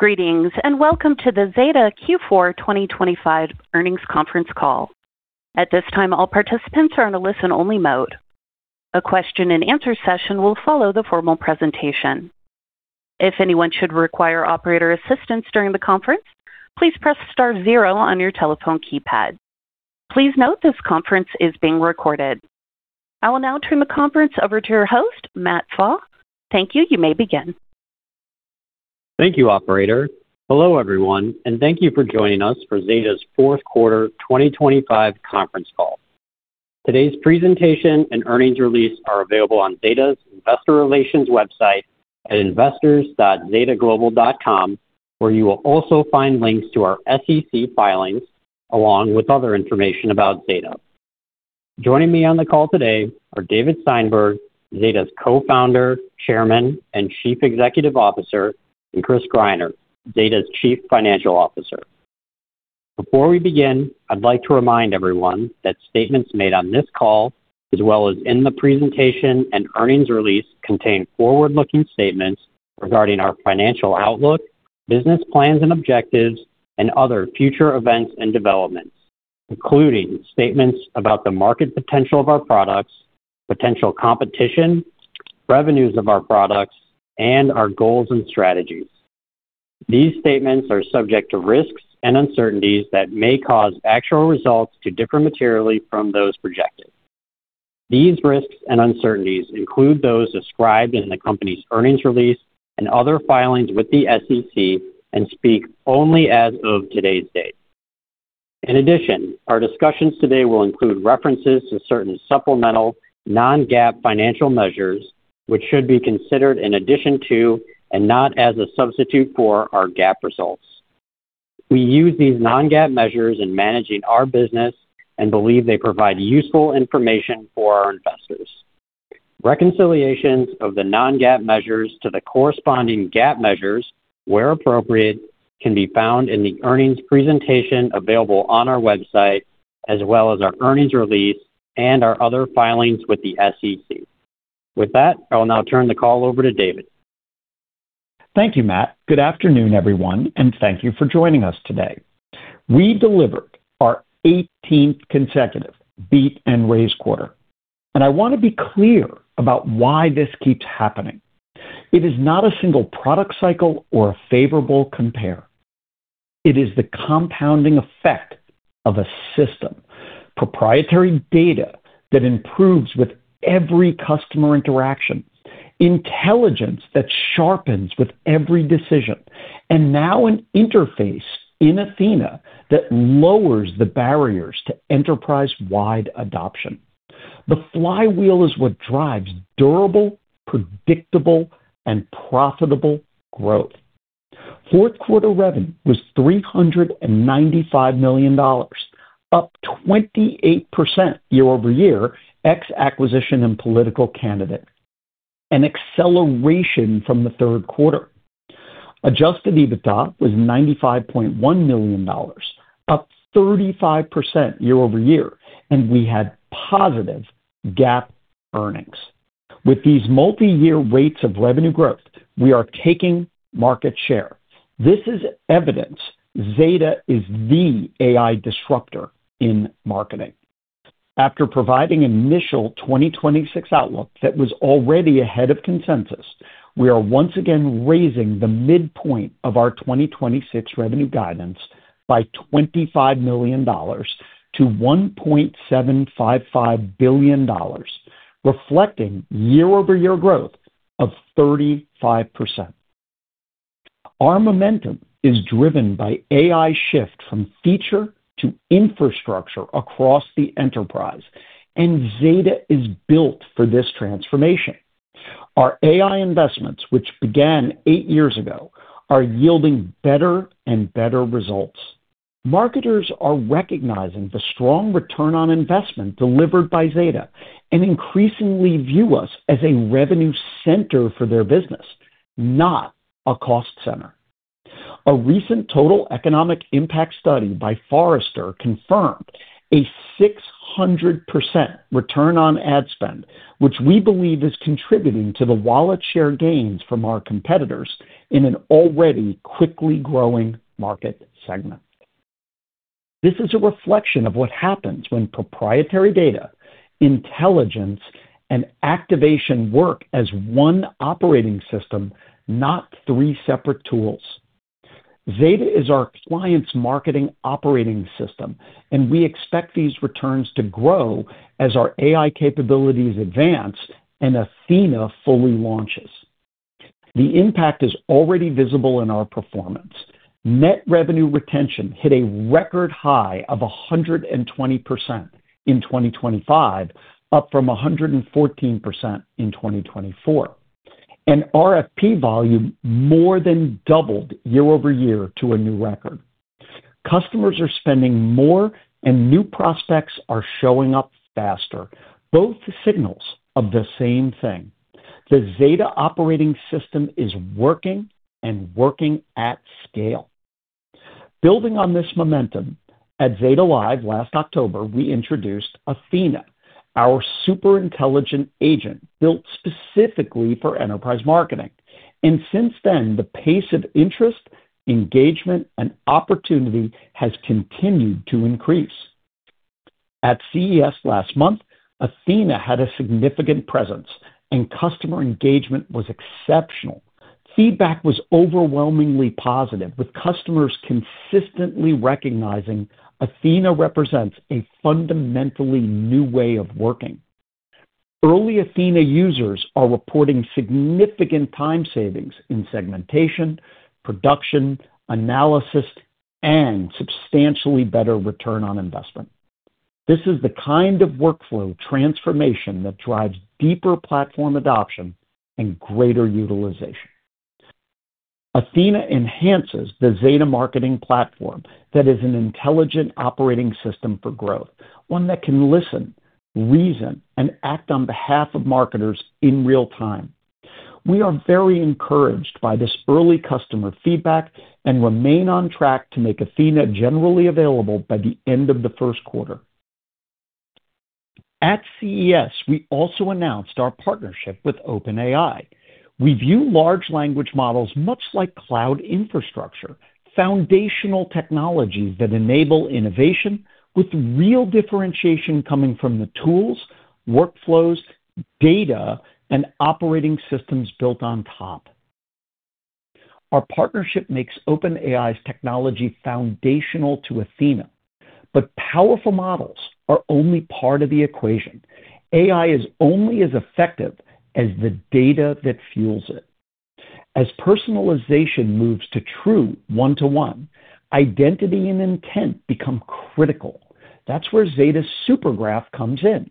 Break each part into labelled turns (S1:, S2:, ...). S1: Greetings, and welcome to the Zeta Q4 2025 earnings conference call. At this time, all participants are on a listen-only mode. A question-and-answer session will follow the formal presentation. If anyone should require operator assistance during the conference, please press star zero on your telephone keypad. Please note, this conference is being recorded. I will now turn the conference over to your host, Matt Pfau. Thank you. You may begin.
S2: Thank you, operator. Hello, everyone, and thank you for joining us for Zeta's fourth quarter 2025 conference call. Today's presentation and earnings release are available on Zeta's Investor Relations website at investors.zetaglobal.com, where you will also find links to our SEC filings, along with other information about Zeta. Joining me on the call today are David Steinberg, Zeta's Co-founder, Chairman, and Chief Executive Officer, and Chris Greiner, Zeta's Chief Financial Officer. Before we begin, I'd like to remind everyone that statements made on this call, as well as in the presentation and earnings release, contain forward-looking statements regarding our financial outlook, business plans and objectives, and other future events and developments, including statements about the market potential of our products, potential competition, revenues of our products, and our goals and strategies. These statements are subject to risks and uncertainties that may cause actual results to differ materially from those projected. These risks and uncertainties include those described in the company's earnings release and other filings with the SEC and speak only as of today's date. In addition, our discussions today will include references to certain supplemental non-GAAP financial measures, which should be considered in addition to and not as a substitute for, our GAAP results. We use these non-GAAP measures in managing our business and believe they provide useful information for our investors. Reconciliations of the non-GAAP measures to the corresponding GAAP measures, where appropriate, can be found in the earnings presentation available on our website, as well as our earnings release and our other filings with the SEC. With that, I will now turn the call over to David.
S3: Thank you, Matt. Good afternoon, everyone, and thank you for joining us today. We delivered our eighteenth consecutive beat and raise quarter, and I want to be clear about why this keeps happening. It is not a single product cycle or a favorable compare. It is the compounding effect of a system, proprietary data that improves with every customer interaction, intelligence that sharpens with every decision, and now an interface in Athena that lowers the barriers to enterprise-wide adoption. The flywheel is what drives durable, predictable, and profitable growth. Fourth quarter revenue was $395 million, up 28% year-over-year, ex acquisition and political candidate, an acceleration from the third quarter. Adjusted EBITDA was $95.1 million, up 35% year-over-year, and we had positive GAAP earnings. With these multiyear rates of revenue growth, we are taking market share. This is evidence Zeta is the AI disruptor in marketing. After providing initial 2026 outlook that was already ahead of consensus, we are once again raising the midpoint of our 2026 revenue guidance by $25 million to $1.755 billion, reflecting year-over-year growth of 35%. Our momentum is driven by AI shift from feature to infrastructure across the enterprise. Zeta is built for this transformation. Our AI investments, which began eight years ago, are yielding better and better results. Marketers are recognizing the strong return on investment delivered by Zeta and increasingly view us as a revenue center for their business, not a cost center. A recent Total Economic Impact study by Forrester confirmed a 600% return on ad spend, which we believe is contributing to the wallet share gains from our competitors in an already quickly growing market segment. This is a reflection of what happens when proprietary data, intelligence, and activation work as one operating system, not three separate tools. Zeta is our client's marketing operating system, and we expect these returns to grow as our AI capabilities advance and Athena fully launches. The impact is already visible in our performance. Net Revenue Retention hit a record high of 120% in 2025, up from 114% in 2024, and RFP volume more than doubled year-over-year to a new record. Customers are spending more, and new prospects are showing up faster, both signals of the same thing. The Zeta operating system is working, and working at scale.... Building on this momentum, at Zeta Live last October, we introduced Athena, our super intelligent agent, built specifically for enterprise marketing. Since then, the pace of interest, engagement, and opportunity has continued to increase. At CES last month, Athena had a significant presence, and customer engagement was exceptional. Feedback was overwhelmingly positive, with customers consistently recognizing Athena represents a fundamentally new way of working. Early Athena users are reporting significant time savings in segmentation, production, analysis, and substantially better return on investment. This is the kind of workflow transformation that drives deeper platform adoption and greater utilization. Athena enhances the Zeta Marketing Platform that is an intelligent operating system for growth, one that can listen, reason, and act on behalf of marketers in real time. We are very encouraged by this early customer feedback and remain on track to make Athena generally available by the end of the first quarter. At CES, we also announced our partnership with OpenAI. We view large language models, much like cloud infrastructure, foundational technologies that enable innovation, with real differentiation coming from the tools, workflows, data, and operating systems built on top. Powerful models are only part of the equation. AI is only as effective as the data that fuels it. As personalization moves to true one-to-one, identity and intent become critical. That's where Zeta's SuperGraph comes in,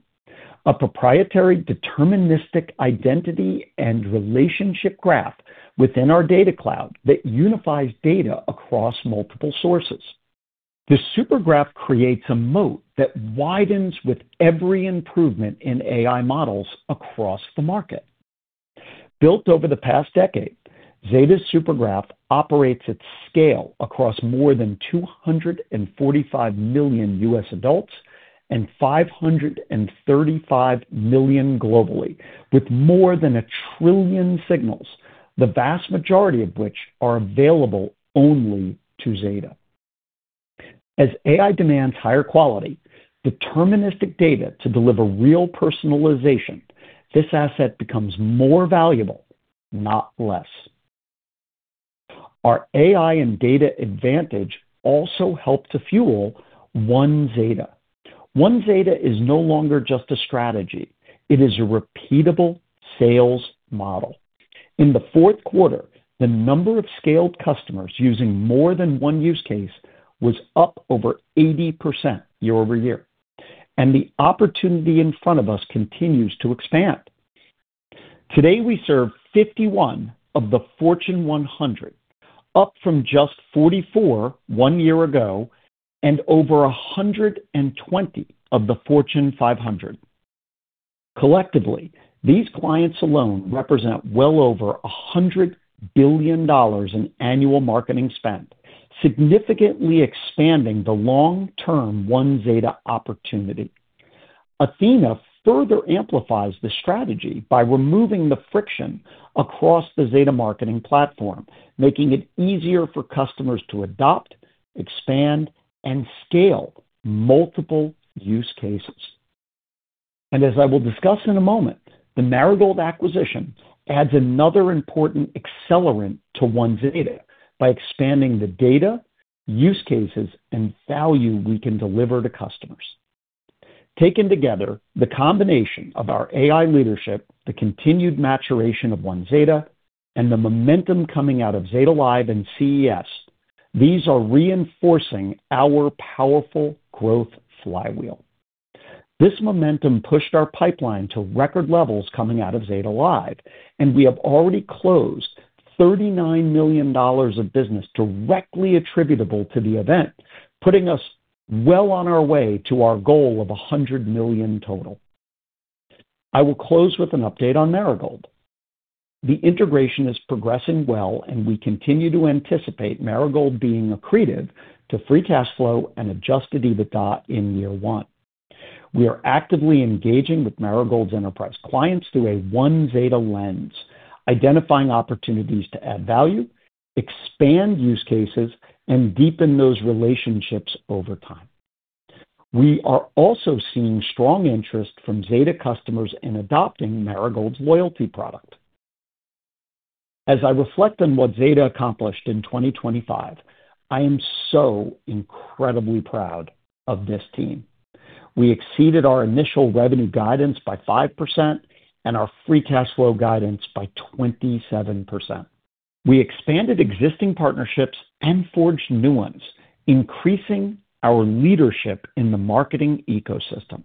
S3: a proprietary, deterministic, identity, and relationship graph within our Data Cloud that unifies data across multiple sources. The SuperGraph creates a moat that widens with every improvement in AI models across the market. Built over the past decade, Zeta's SuperGraph operates at scale across more than 245 million U.S. adults and 535 million globally, with more than 1 trillion signals, the vast majority of which are available only to Zeta. As AI demands higher quality, deterministic data to deliver real personalization, this asset becomes more valuable, not less. Our AI and data advantage also help to fuel One Zeta. One Zeta is no longer just a strategy, it is a repeatable sales model. In the fourth quarter, the number of scaled customers using more than one use case was up over 80% year-over-year, and the opportunity in front of us continues to expand. Today, we serve 51 of the Fortune 100, up from just 44 one year ago, and over 120 of the Fortune 500. Collectively, these clients alone represent well over $100 billion in annual marketing spend, significantly expanding the long-term One Zeta opportunity. Athena further amplifies the strategy by removing the friction across the Zeta Marketing Platform, making it easier for customers to adopt, expand, and scale multiple use cases. As I will discuss in a moment, the Marigold acquisition adds another important accelerant to One Zeta by expanding the data, use cases, and value we can deliver to customers. Taken together, the combination of our AI leadership, the continued maturation of One Zeta, and the momentum coming out of Zeta Live and CES, these are reinforcing our powerful growth flywheel. This momentum pushed our pipeline to record levels coming out of Zeta Live. We have already closed $39 million of business directly attributable to the event, putting us well on our way to our goal of $100 million total. I will close with an update on Marigold. The integration is progressing well. We continue to anticipate Marigold being accretive to free cash flow and Adjusted EBITDA in year one. We are actively engaging with Marigold's enterprise clients through a One Zeta lens, identifying opportunities to add value, expand use cases, and deepen those relationships over time. We are also seeing strong interest from Zeta customers in adopting Marigold's loyalty product. As I reflect on what Zeta accomplished in 2025, I am so incredibly proud of this team. We exceeded our initial revenue guidance by 5% and our free cash flow guidance by 27%. We expanded existing partnerships and forged new ones, increasing our leadership in the marketing ecosystem,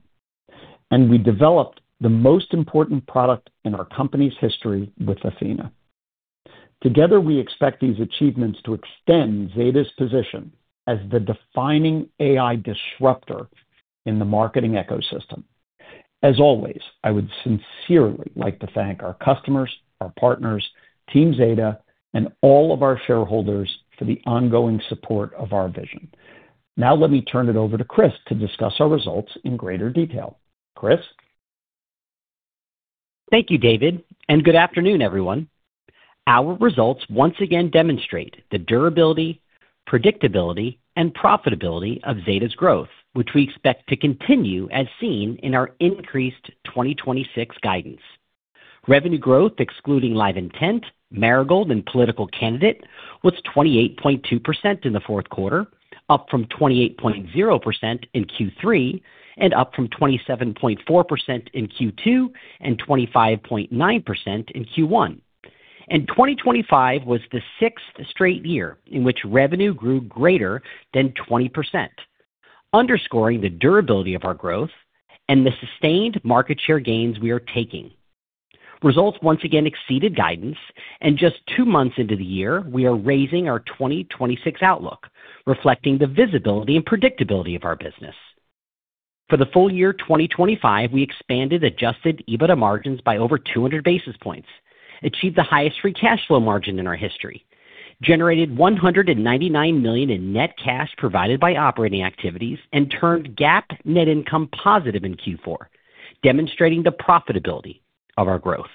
S3: and we developed the most important product in our company's history with Athena. Together, we expect these achievements to extend Zeta's position as the defining AI disruptor in the marketing ecosystem. As always, I would sincerely like to thank our customers, our partners, Team Zeta, and all of our shareholders for the ongoing support of our vision. Now let me turn it over to Chris to discuss our results in greater detail. Chris?
S4: Thank you, David, and good afternoon, everyone. Our results once again demonstrate the durability, predictability, and profitability of Zeta's growth, which we expect to continue, as seen in our increased 2026 guidance. Revenue growth, excluding LiveIntent, Marigold, and political candidate, was 28.2% in the fourth quarter, up from 28.0% in Q3, and up from 27.4% in Q2, and 25.9% in Q1. 2025 was the sixth straight year in which revenue grew greater than 20%, underscoring the durability of our growth and the sustained market share gains we are taking. Results once again exceeded guidance, and just two months into the year, we are raising our 2026 outlook, reflecting the visibility and predictability of our business. For the full-year 2025, we expanded adjusted EBITDA margins by over 200 basis points, achieved the highest free cash flow margin in our history, generated $199 million in net cash provided by operating activities, and turned GAAP net income positive in Q4, demonstrating the profitability of our growth.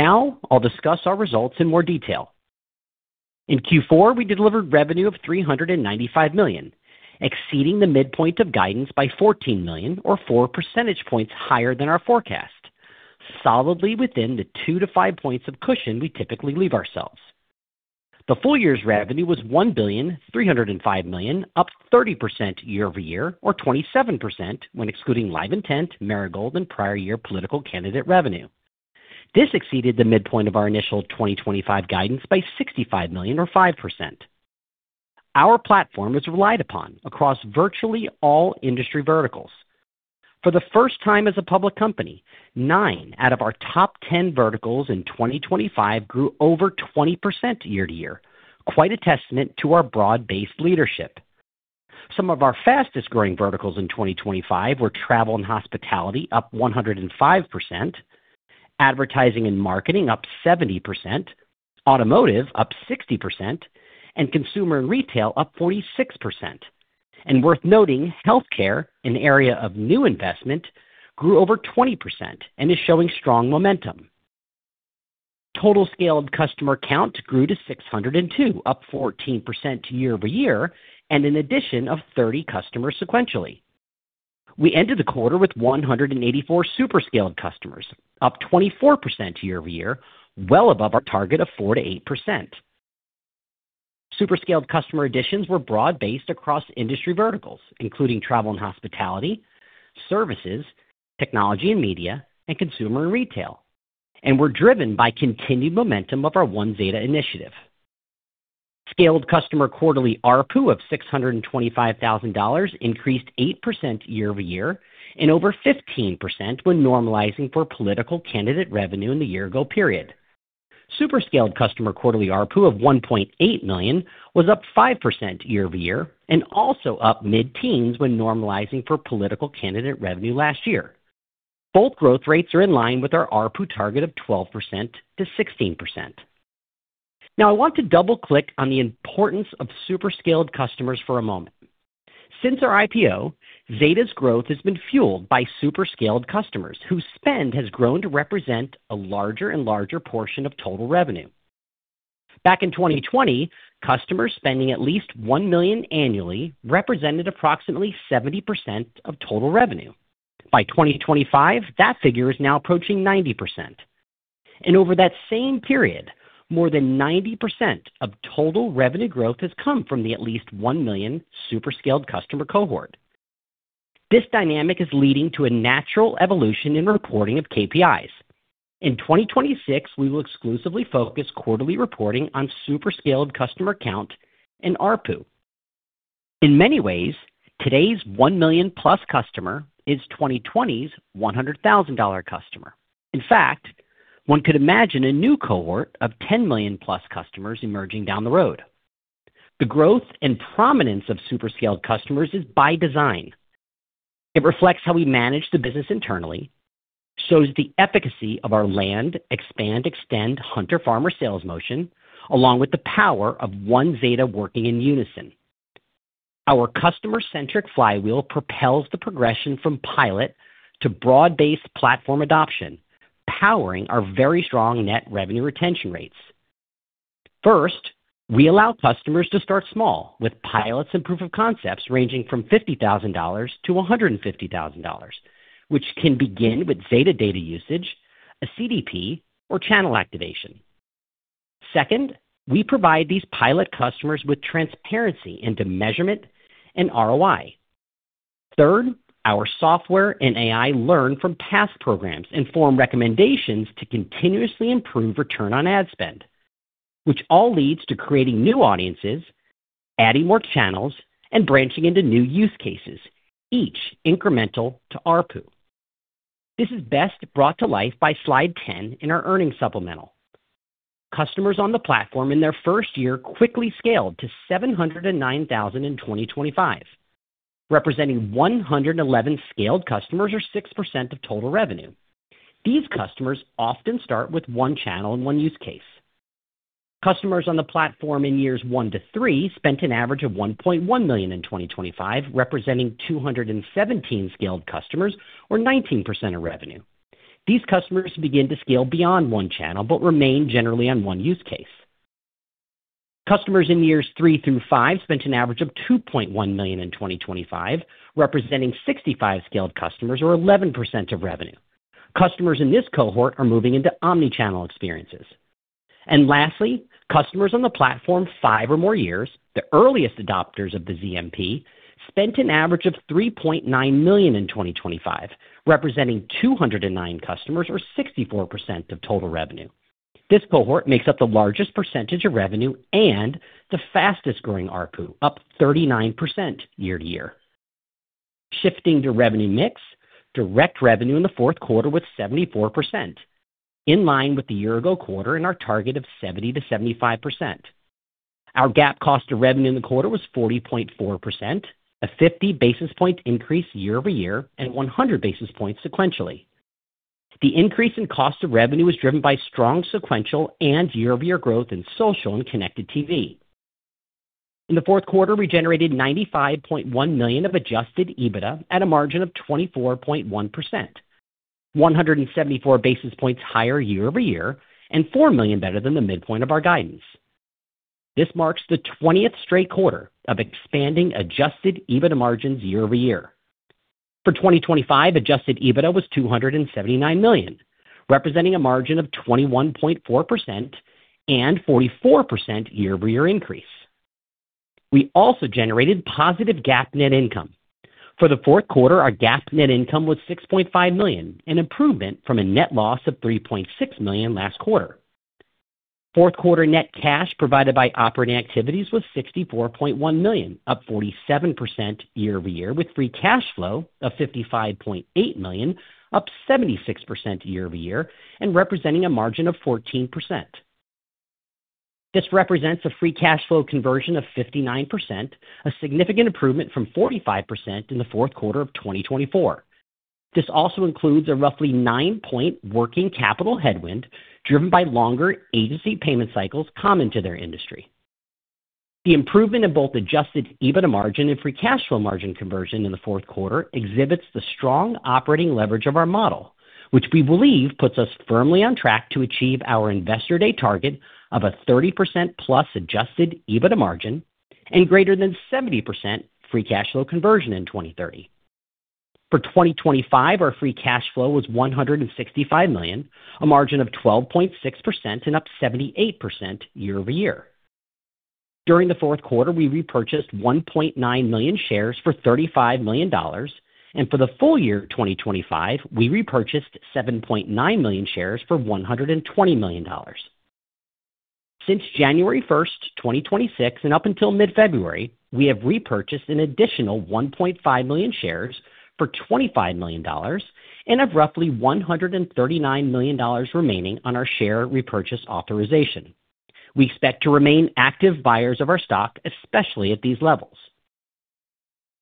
S4: I'll discuss our results in more detail. In Q4, we delivered revenue of $395 million, exceeding the midpoint of guidance by $14 million, or 4 percentage points higher than our forecast, solidly within the two to five points of cushion we typically leave ourselves. The full-year's revenue was $1,305 million, up 30% year-over-year, or 27% when excluding LiveIntent, Marigold, and prior year political candidate revenue. This exceeded the midpoint of our initial 2025 guidance by $65 million, or 5%. Our platform was relied upon across virtually all industry verticals. For the first time as a public company, nine out of our top 10 verticals in 2025 grew over 20% year-over-year, quite a testament to our broad-based leadership. Some of our fastest-growing verticals in 2025 were travel and hospitality, up 105%, advertising and marketing, up 70%, automotive, up 60%, and consumer and retail, up 46%. Worth noting, healthcare, an area of new investment, grew over 20% and is showing strong momentum. Total scaled customer count grew to 602, up 14% year-over-year, and an addition of 30 customers sequentially. We ended the quarter with 184 super-scaled customers, up 24% year-over-year, well above our target of 4%-8%. Super-scaled customer additions were broad-based across industry verticals, including travel and hospitality, services, technology and media, and consumer and retail, and were driven by continued momentum of our One Zeta initiative. Scaled customer quarterly ARPU of $625,000 increased 8% year-over-year and over 15% when normalizing for political candidate revenue in the year ago period. Super-scaled customer quarterly ARPU of $1.8 million was up 5% year-over-year and also up mid-teens when normalizing for political candidate revenue last year. Both growth rates are in line with our ARPU target of 12%-16%. I want to double-click on the importance of super-scaled customers for a moment. Since our IPO, Zeta's growth has been fueled by super-scaled customers, whose spend has grown to represent a larger and larger portion of total revenue. Back in 2020, customers spending at least $1 million annually represented approximately 70% of total revenue. By 2025, that figure is now approaching 90%, and over that same period, more than 90% of total revenue growth has come from the at least $1 million super-scaled customer cohort. This dynamic is leading to a natural evolution in reporting of KPIs. In 2026, we will exclusively focus quarterly reporting on super-scaled customer count and ARPU. In many ways, today's $1 million-plus customer is 2020's $100,000 customer. In fact, one could imagine a new cohort of $10 million-plus customers emerging down the road. The growth and prominence of super-scaled customers is by design. It reflects how we manage the business internally, shows the efficacy of our land, expand, extend, hunter, farmer sales motion, along with the power of One Zeta working in unison. Our customer-centric flywheel propels the progression from pilot to broad-based platform adoption, powering our very strong net revenue retention rates. First, we allow customers to start small with pilots and proof of concepts ranging from $50,000-$150,000, which can begin with Zeta data usage, a CDP, or channel activation. Second, we provide these pilot customers with transparency into measurement and ROI. Third, our software and AI learn from past programs and form recommendations to continuously improve return on ad spend, which all leads to creating new audiences, adding more channels, and branching into new use cases, each incremental to ARPU. This is best brought to life by slide 10 in our earnings supplemental. Customers on the platform in their first year quickly scaled to $709,000 in 2025, representing 111 scaled customers or 6% of total revenue. These customers often start with one channel and one use case. Customers on the platform in years one to three spent an average of $1.1 million in 2025, representing 217 scaled customers or 19% of revenue. These customers begin to scale beyond one channel, but remain generally on one use case. Customers in years three through five spent an average of $2.1 million in 2025, representing 65 scaled customers or 11% of revenue. Customers in this cohort are moving into omnichannel experiences. Lastly, customers on the platform five or more years, the earliest adopters of the ZMP, spent an average of $3.9 million in 2025, representing 209 customers or 64% of total revenue. This cohort makes up the largest percentage of revenue and the fastest-growing ARPU, up 39% year-to-year. Shifting to revenue mix, direct revenue in the fourth quarter was 74%, in line with the year-ago quarter and our target of 70%-75%. Our GAAP cost of revenue in the quarter was 40.4%, a 50 basis point increase year-over-year and 100 basis points sequentially. The increase in cost of revenue was driven by strong sequential and year-over-year growth in social and connected TV. In the fourth quarter, we generated $95.1 million of adjusted EBITDA at a margin of 24.1%, 174 basis points higher year-over-year, and $4 million better than the midpoint of our guidance. This marks the 20th straight quarter of expanding adjusted EBITDA margins year-over-year. For 2025, adjusted EBITDA was $279 million, representing a margin of 21.4% and 44% year-over-year increase. We also generated positive GAAP net income. For the fourth quarter, our GAAP net income was $6.5 million, an improvement from a net loss of $3.6 million last quarter. Fourth quarter net cash provided by operating activities was $64.1 million, up 47% year-over-year, with free cash flow of $55.8 million, up 76% year-over-year, and representing a margin of 14%. This represents a free cash flow conversion of 59%, a significant improvement from 45% in the fourth quarter of 2024. This also includes a roughly nine-point working capital headwind, driven by longer agency payment cycles common to their industry. The improvement in both adjusted EBITDA margin and free cash flow margin conversion in the fourth quarter exhibits the strong operating leverage of our model, which we believe puts us firmly on track to achieve our Investor Day target of a 30%+ adjusted EBITDA margin and greater than 70% free cash flow conversion in 2030. For 2025, our free cash flow was $165 million, a margin of 12.6% and up 78% year-over-year. During the fourth quarter, we repurchased 1.9 million shares for $35 million. For the full-year 2025, we repurchased 7.9 million shares for $120 million. Since January 1st, 2026, and up until mid-February, we have repurchased an additional 1.5 million shares for $25 million and have roughly $139 million remaining on our share repurchase authorization. We expect to remain active buyers of our stock, especially at these levels.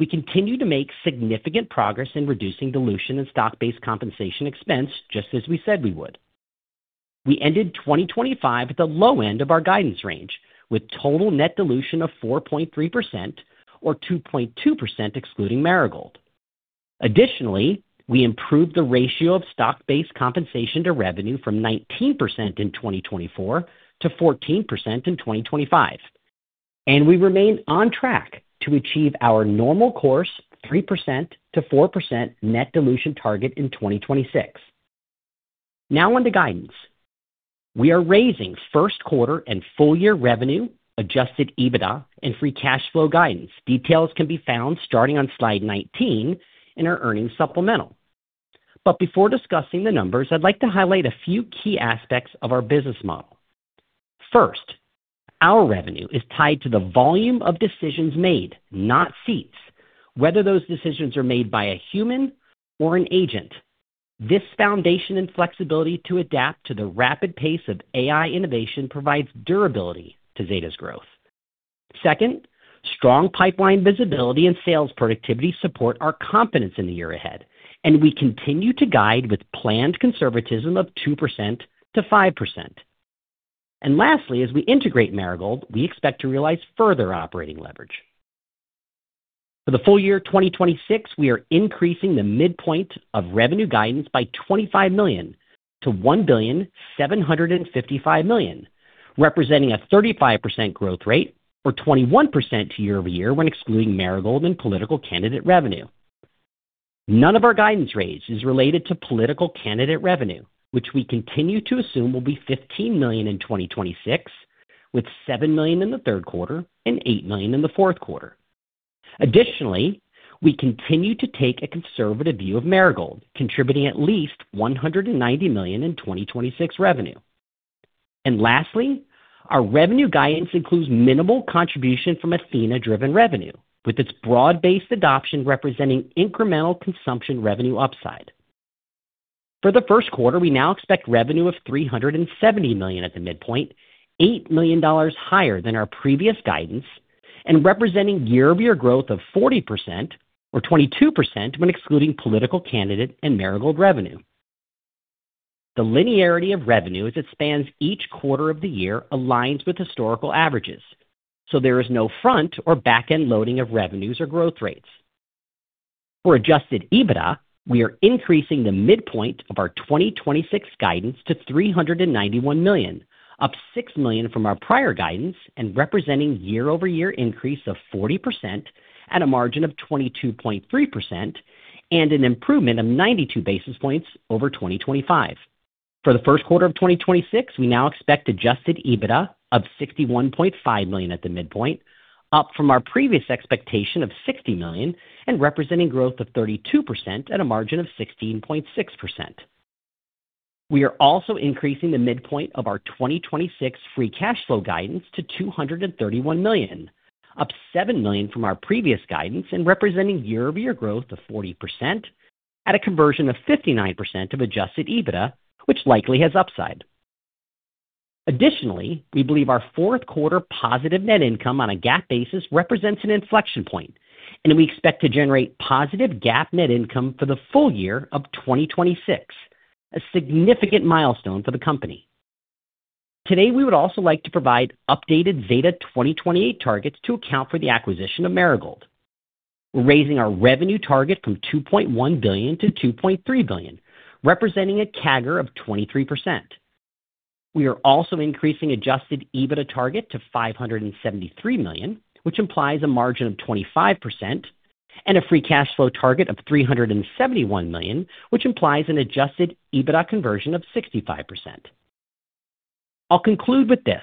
S4: We continue to make significant progress in reducing dilution and stock-based compensation expense, just as we said we would. We ended 2025 at the low end of our guidance range, with total net dilution of 4.3% or 2.2% excluding Marigold. Additionally, we improved the ratio of stock-based compensation to revenue from 19% in 2024 to 14% in 2025, and we remain on track to achieve our normal course 3%-4% net dilution target in 2026. Now on to guidance. We are raising first quarter and full-year revenue, adjusted EBITDA, and free cash flow guidance. Details can be found starting on slide 19 in our earnings supplemental. Before discussing the numbers, I'd like to highlight a few key aspects of our business model. First, our revenue is tied to the volume of decisions made, not seats, whether those decisions are made by a human or an agent. This foundation and flexibility to adapt to the rapid pace of AI innovation provides durability to Zeta's growth. Second, strong pipeline visibility and sales productivity support our confidence in the year ahead, and we continue to guide with planned conservatism of 2%-5%. Lastly, as we integrate Marigold, we expect to realize further operating leverage. For the full-year 2026, we are increasing the midpoint of revenue guidance by $25 million to $1.755 billion, representing a 35% growth rate or 21% year-over-year when excluding Marigold and political candidate revenue. None of our guidance raise is related to political candidate revenue, which we continue to assume will be $15 million in 2026, with $7 million in the third quarter and $8 million in the fourth quarter. Additionally, we continue to take a conservative view of Marigold, contributing at least $190 million in 2026 revenue. Lastly, our revenue guidance includes minimal contribution from Athena-driven revenue, with its broad-based adoption representing incremental consumption revenue upside. For the first quarter, we now expect revenue of $370 million at the midpoint, $8 million higher than our previous guidance and representing year-over-year growth of 40% or 22% when excluding political candidate and Marigold revenue. The linearity of revenue as it spans each quarter of the year aligns with historical averages. There is no front or back-end loading of revenues or growth rates. For adjusted EBITDA, we are increasing the midpoint of our 2026 guidance to $391 million, up $6 million from our prior guidance and representing year-over-year increase of 40% at a margin of 22.3% and an improvement of 92 basis points over 2025. For the first quarter of 2026, we now expect adjusted EBITDA of $61.5 million at the midpoint, up from our previous expectation of $60 million and representing growth of 32% at a margin of 16.6%. We are also increasing the midpoint of our 2026 free cash flow guidance to $231 million, up $7 million from our previous guidance and representing year-over-year growth of 40% at a conversion of 59% of adjusted EBITDA, which likely has upside. Additionally, we believe our fourth quarter positive net income on a GAAP basis represents an inflection point, and we expect to generate positive GAAP net income for the full-year of 2026, a significant milestone for the company. Today, we would also like to provide updated Zeta 2028 targets to account for the acquisition of Marigold. We're raising our revenue target from $2.1 billion to $2.3 billion, representing a CAGR of 23%. We are also increasing adjusted EBITDA target to $573 million, which implies a margin of 25% and a free cash flow target of $371 million, which implies an adjusted EBITDA conversion of 65%. I'll conclude with this.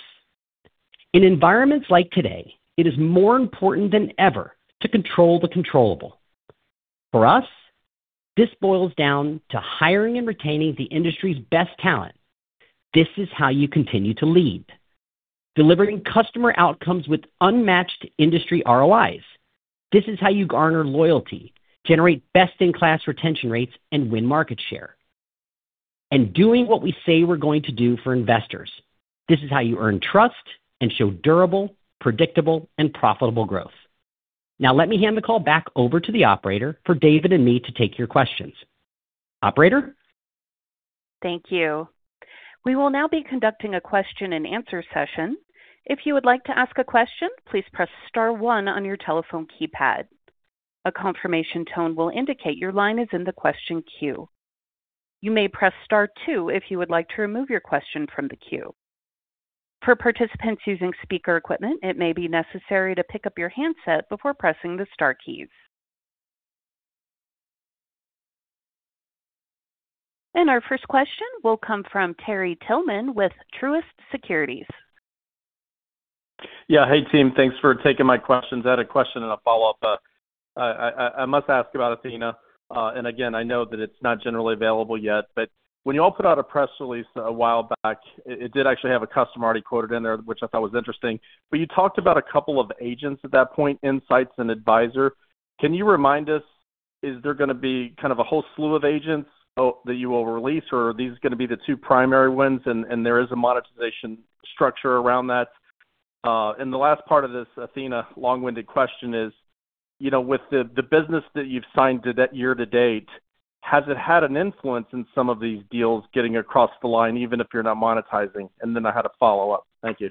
S4: In environments like today, it is more important than ever to control the controllable. For us, this boils down to hiring and retaining the industry's best talent. This is how you continue to lead. Delivering customer outcomes with unmatched industry ROIs. This is how you garner loyalty, generate best-in-class retention rates, and win market share. Doing what we say we're going to do for investors. This is how you earn trust and show durable, predictable, and profitable growth. Now, let me hand the call back over to the operator for David and me to take your questions. Operator?
S1: Thank you. We will now be conducting a question-and-answer session. If you would like to ask a question, please press star one on your telephone keypad. A confirmation tone will indicate your line is in the question queue. You may press star two if you would like to remove your question from the queue. For participants using speaker equipment, it may be necessary to pick up your handset before pressing the star keys. Our first question will come from Terry Tillman with Truist Securities.
S5: Yeah. Hey, team, thanks for taking my questions. I had a question and a follow-up. I must ask about Athena, and again, I know that it's not generally available yet, but when you all put out a press release a while back, it did actually have a customer already quoted in there, which I thought was interesting. You talked about a couple of agents at that point, Insights and Advisor. Can you remind us, is there gonna be kind of a whole slew of agents that you will release, or are these gonna be the two primary ones, and there is a monetization structure around that? The last part of this Athena long-winded question is: You know, with the business that you've signed to that year-to-date, has it had an influence in some of these deals getting across the line, even if you're not monetizing? I had a follow-up. Thank you.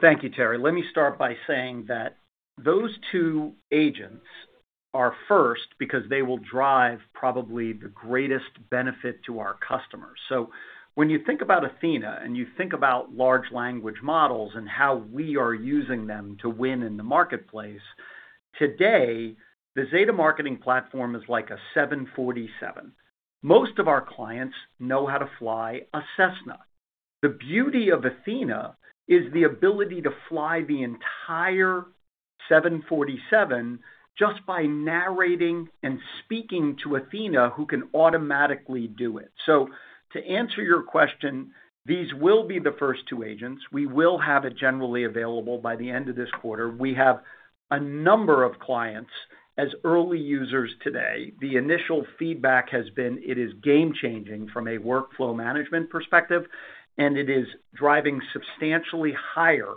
S3: Thank you, Terry. Let me start by saying that those two agents are first because they will drive probably the greatest benefit to our customers. When you think about Athena and you think about large language models and how we are using them to win in the marketplace, today, the Zeta Marketing Platform is like a Boeing 747. Most of our clients know how to fly a Cessna. The beauty of Athena is the ability to fly the entire Boeing 747 just by narrating and speaking to Athena, who can automatically do it. To answer your question, these will be the first two agents. We will have it generally available by the end of this quarter. We have a number of clients as early users today. The initial feedback has been it is game-changing from a workflow management perspective, and it is driving substantially higher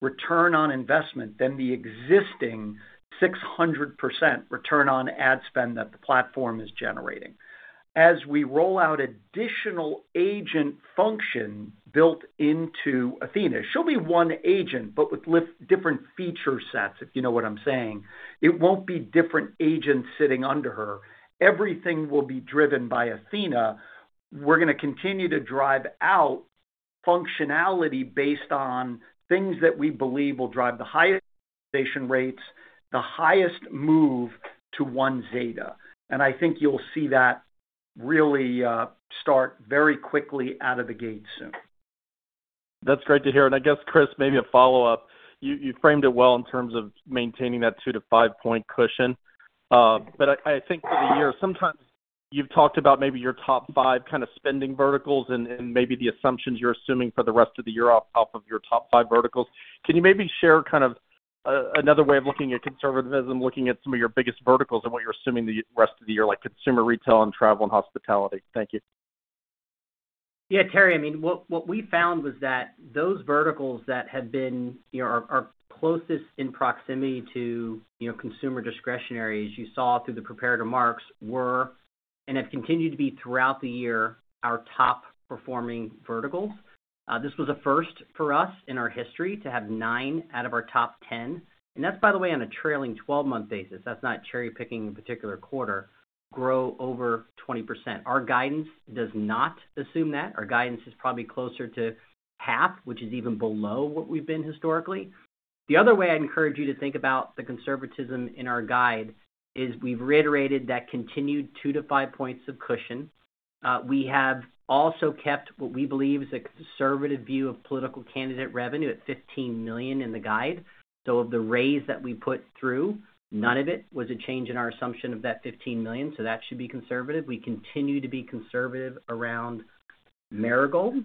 S3: return on investment than the existing 600% return on ad spend that the platform is generating. As we roll out additional agent function built into Athena, she'll be one agent, but with lift different feature sets, if you know what I'm saying. It won't be different agents sitting under her. Everything will be driven by Athena. We're gonna continue to drive out functionality based on things that we believe will drive the highest station rates, the highest move to One Zeta, and I think you'll see that really start very quickly out of the gate soon.
S5: That's great to hear. I guess, Chris, maybe a follow-up. You framed it well in terms of maintaining that two to five point cushion. I think for the year, sometimes you've talked about maybe your top five kind of spending verticals and maybe the assumptions you're assuming for the rest of the year off of your top five verticals. Can you maybe share kind of another way of looking at conservatism, looking at some of your biggest verticals and what you're assuming the rest of the year, like consumer retail and travel and hospitality? Thank you.
S4: Yeah, Terry, I mean, what we found was that those verticals that have been, you know, are closest in proximity to, you know, consumer discretionary, as you saw through the prepared remarks, were, and have continued to be throughout the year, our top-performing verticals. This was a first for us in our history to have nine out of our top 10, and that's by the way, on a trailing 12-month basis. That's not cherry-picking a particular quarter, grow over 20%. Our guidance does not assume that. Our guidance is probably closer to half, which is even below what we've been historically. The other way I'd encourage you to think about the conservatism in our guide, is we've reiterated that continued two to five points of cushion. We have also kept what we believe is a conservative view of political candidate revenue at $15 million in the guide. Of the raise that we put through, none of it was a change in our assumption of that $15 million, so that should be conservative. We continue to be conservative around Marigold,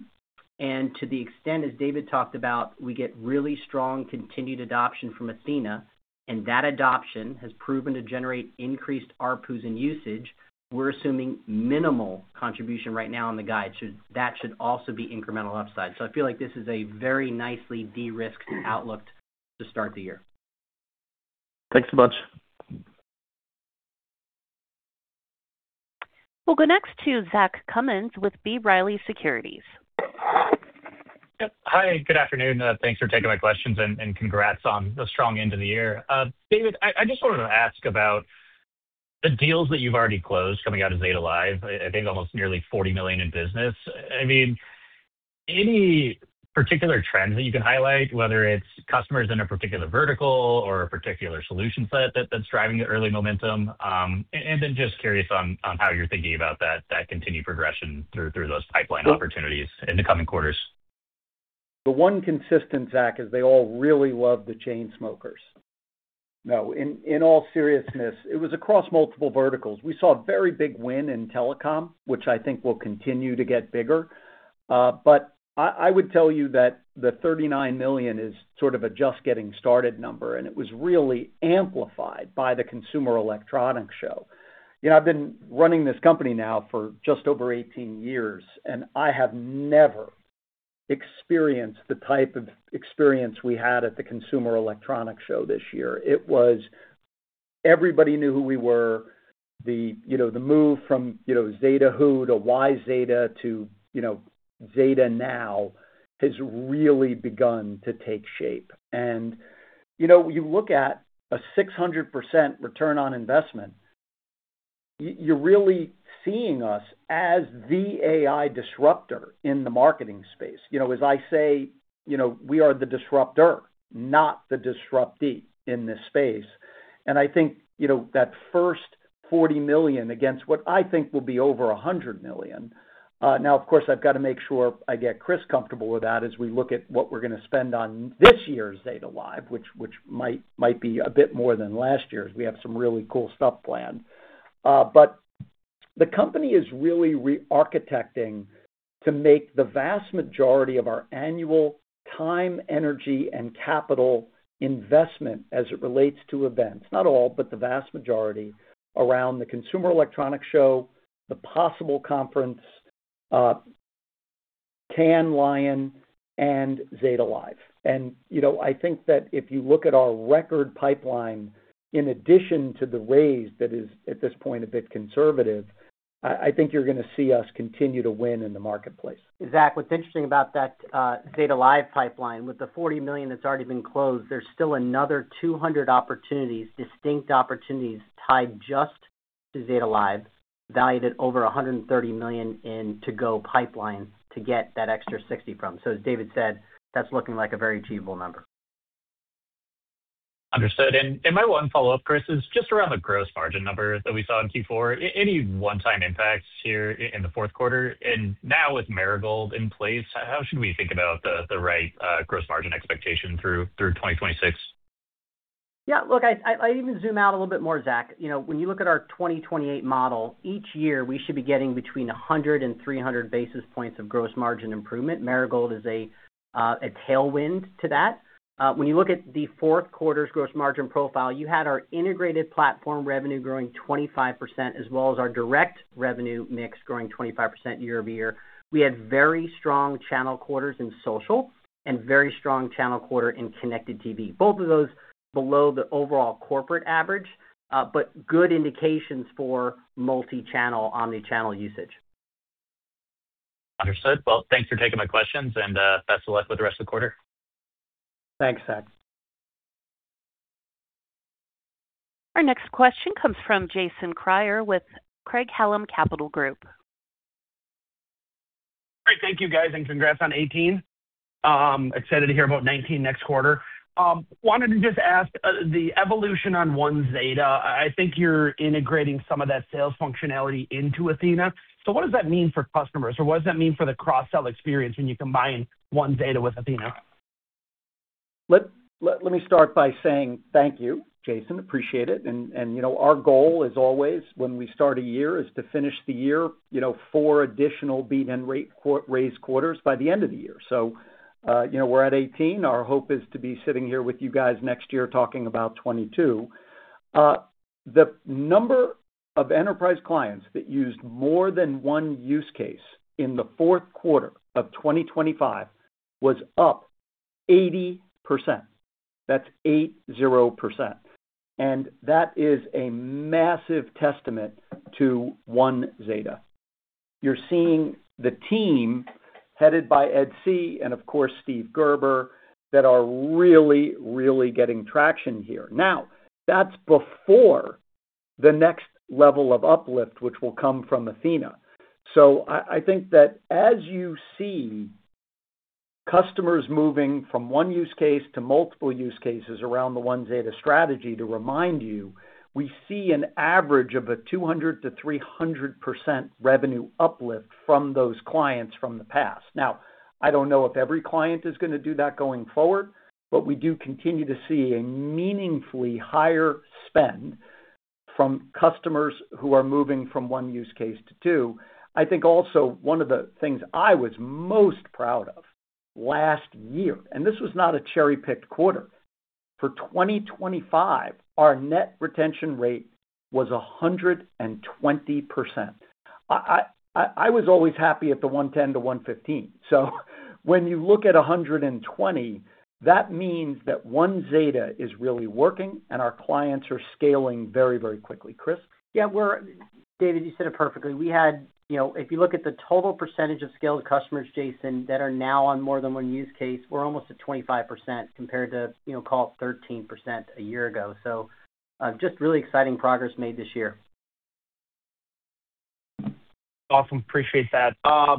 S4: and to the extent, as David talked about, we get really strong continued adoption from Athena, and that adoption has proven to generate increased ARPUs and usage. We're assuming minimal contribution right now on the guide. That should also be incremental upside. I feel like this is a very nicely de-risked outlook to start the year.
S5: Thanks so much.
S1: We'll go next to Zach Cummins with B. Riley Securities.
S6: Yep. Hi, good afternoon. Thanks for taking my questions, and congrats on a strong end of the year. David, I just wanted to ask about the deals that you've already closed coming out of Zeta Live, I think almost nearly $40 million in business. I mean, any particular trends that you can highlight, whether it's customers in a particular vertical or a particular solution set that's driving the early momentum? Just curious on how you're thinking about that continued progression through those pipeline opportunities in the coming quarters.
S3: The one consistent, Zach, is they all really love The Chainsmokers. In all seriousness, it was across multiple verticals. We saw a very big win in telecom, which I think will continue to get bigger. I would tell you that the $39 million is sort of a just getting started number. It was really amplified by the Consumer Electronics Show. You know, I've been running this company now for just over 18 years. I have never experienced the type of experience we had at the Consumer Electronics Show this year. It was... Everybody knew who we were. You know, the move from, you know, Zeta who, to why Zeta to, you know, Zeta now, has really begun to take shape. You know, you look at a 600% return on investment, you're really seeing us as the AI disruptor in the marketing space. You know, as I say, you know, we are the disruptor, not the disruptee in this space. I think, you know, that first $40 million against what I think will be over $100 million, now, of course, I've got to make sure I get Chris comfortable with that as we look at what we're gonna spend on this year's Zeta Live, which might be a bit more than last year's. We have some really cool stuff planned. The company is really re-architecting to make the vast majority of our annual time, energy, and capital investment as it relates to events, not all, but the vast majority, around the Consumer Electronics Show, the POSSIBLE Conference, Cannes Lions and Zeta Live. You know, I think that if you look at our record pipeline, in addition to the raise, that is, at this point, a bit conservative, I think you're gonna see us continue to win in the marketplace.
S4: Zach, what's interesting about that, Zeta Live pipeline, with the $40 million that's already been closed, there's still another 200 opportunities, distinct opportunities, tied just to Zeta Live, valued at over $130 million in to-go pipeline, to get that extra 60 from. As David said, that's looking like a very achievable number.
S6: Understood. My one follow-up, Chris, is just around the gross margin number that we saw in Q4. Any one-time impacts here in the fourth quarter? Now with Marigold in place, how should we think about the right gross margin expectation through 2026?
S4: Yeah, look, I even zoom out a little bit more, Zach. You know, when you look at our 2028 model, each year, we should be getting between 100 and 300 basis points of gross margin improvement. Marigold is a tailwind to that. When you look at the fourth quarter's gross margin profile, you had our integrated platform revenue growing 25%, as well as our direct revenue mix growing 25% year-over-year. We had very strong channel quarters in social and very strong channel quarter in connected TV. Both of those below the overall corporate average, good indications for multi-channel, omni-channel usage.
S6: Understood. Well, thanks for taking my questions, and, best of luck with the rest of the quarter.
S3: Thanks, Zach.
S1: Our next question comes from Jason Kreyer with Craig-Hallum Capital Group.
S7: Great. Thank you, guys, and congrats on 18. excited to hear about 19 next quarter. wanted to just ask, the evolution on One Zeta, I think you're integrating some of that sales functionality into Athena. What does that mean for customers, or what does that mean for the cross-sell experience when you combine One Zeta with Athena?
S3: Let me start by saying thank you, Jason. Appreciate it. You know, our goal is always when we start a year, is to finish the year, you know, four additional beat and rate raise quarters by the end of the year. You know, we're at 18. Our hope is to be sitting here with you guys next year talking about 22. The number of enterprise clients that used more than one use case in the fourth quarter of 2025 was up 80%. That's 80%, and that is a massive testament to One Zeta. You're seeing the team, headed by Ed See and, of course, Steven Gerber, that are really getting traction here. Now, that's before the next level of uplift, which will come from Athena. I think that as you see customers moving from one use case to multiple use cases around the One Zeta strategy, to remind you, we see an average of a 200%-300% revenue uplift from those clients from the past. I don't know if every client is gonna do that going forward, but we do continue to see a meaningfully higher spend from customers who are moving from one use case to two. I think also one of the things I was most proud of last year, this was not a cherry-picked quarter. For 2025, our net retention rate was 120%. I was always happy at the 110%-115%. When you look at 120%, that means that One Zeta is really working, and our clients are scaling very, very quickly. Chris?
S4: Yeah, David, you said it perfectly. We had, you know, if you look at the total percentage of scaled customers, Jason, that are now on more than one use case, we're almost at 25% compared to, you know, call it 13% a year ago. Just really exciting progress made this year.
S7: Awesome. Appreciate that.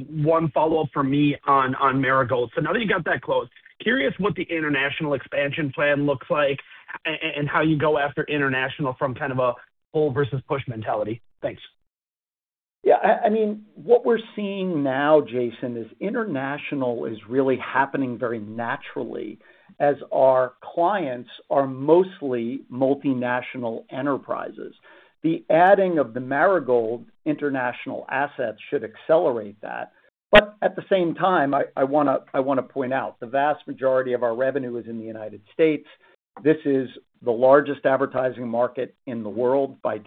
S7: One follow-up from me on Marigold. Now that you got that close, curious what the international expansion plan looks like and how you go after international from kind of a pull versus push mentality? Thanks.
S3: Yeah, I mean, what we're seeing now, Jason, is international is really happening very naturally as our clients are mostly multinational enterprises. The adding of the Marigold international assets should accelerate that. At the same time, I wanna point out, the vast majority of our revenue is in the United States. This is the largest advertising market in the world by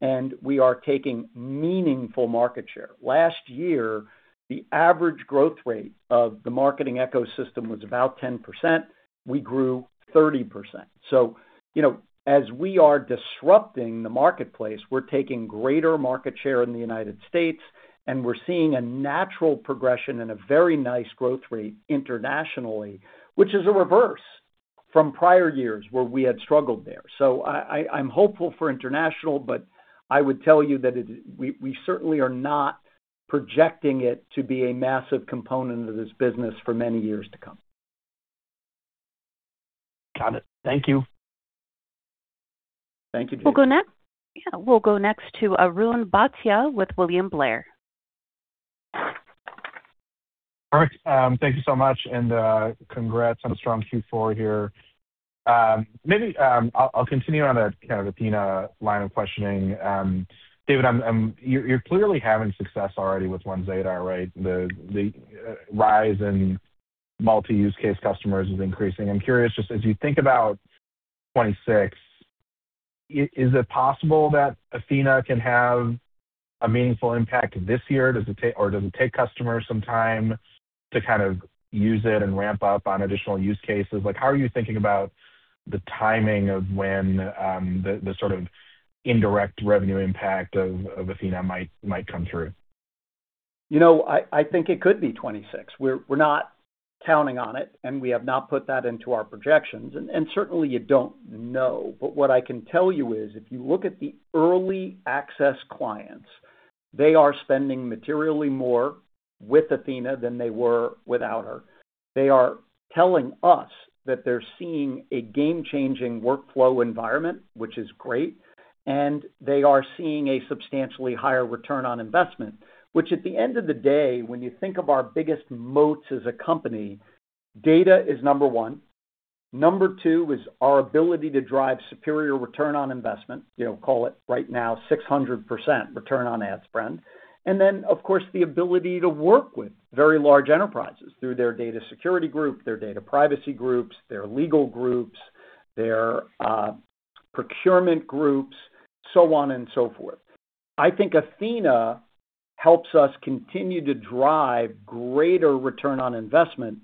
S3: dollars, and we are taking meaningful market share. Last year, the average growth rate of the marketing ecosystem was about 10%. We grew 30%. You know, as we are disrupting the marketplace, we're taking greater market share in the United States, and we're seeing a natural progression and a very nice growth rate internationally, which is a reverse from prior years where we had struggled there. I'm hopeful for international, but I would tell you that we certainly are not projecting it to be a massive component of this business for many years to come.
S7: Got it. Thank you.
S3: Thank you, Jason.
S1: Yeah, we'll go next to Arjun Bhatia with William Blair.
S8: All right. Thank you so much, and congrats on a strong Q4 here. Maybe, I'll continue on a kind of Athena line of questioning. David, you're clearly having success already with One Zeta, right? The rise in multi-use case customers is increasing. I'm curious, just as you think about 2026, is it possible that Athena can have a meaningful impact this year? Does it take, or does it take customers some time to kind of use it and ramp up on additional use cases? Like, how are you thinking about the timing of when the sort of indirect revenue impact of Athena might come through?
S3: You know, I think it could be 2026. We're not counting on it, we have not put that into our projections, and certainly you don't know. What I can tell you is, if you look at the early access clients, they are spending materially more with Athena than they were without her. They are telling us that they're seeing a game-changing workflow environment, which is great, and they are seeing a substantially higher return on investment. At the end of the day, when you think of our biggest moats as a company, data is number one. Number two is our ability to drive superior return on investment, you know, call it right now, 600% return on ad spend. Of course, the ability to work with very large enterprises through their data security group, their data privacy groups, their legal groups, their procurement groups, so on and so forth. I think Athena helps us continue to drive greater return on investment,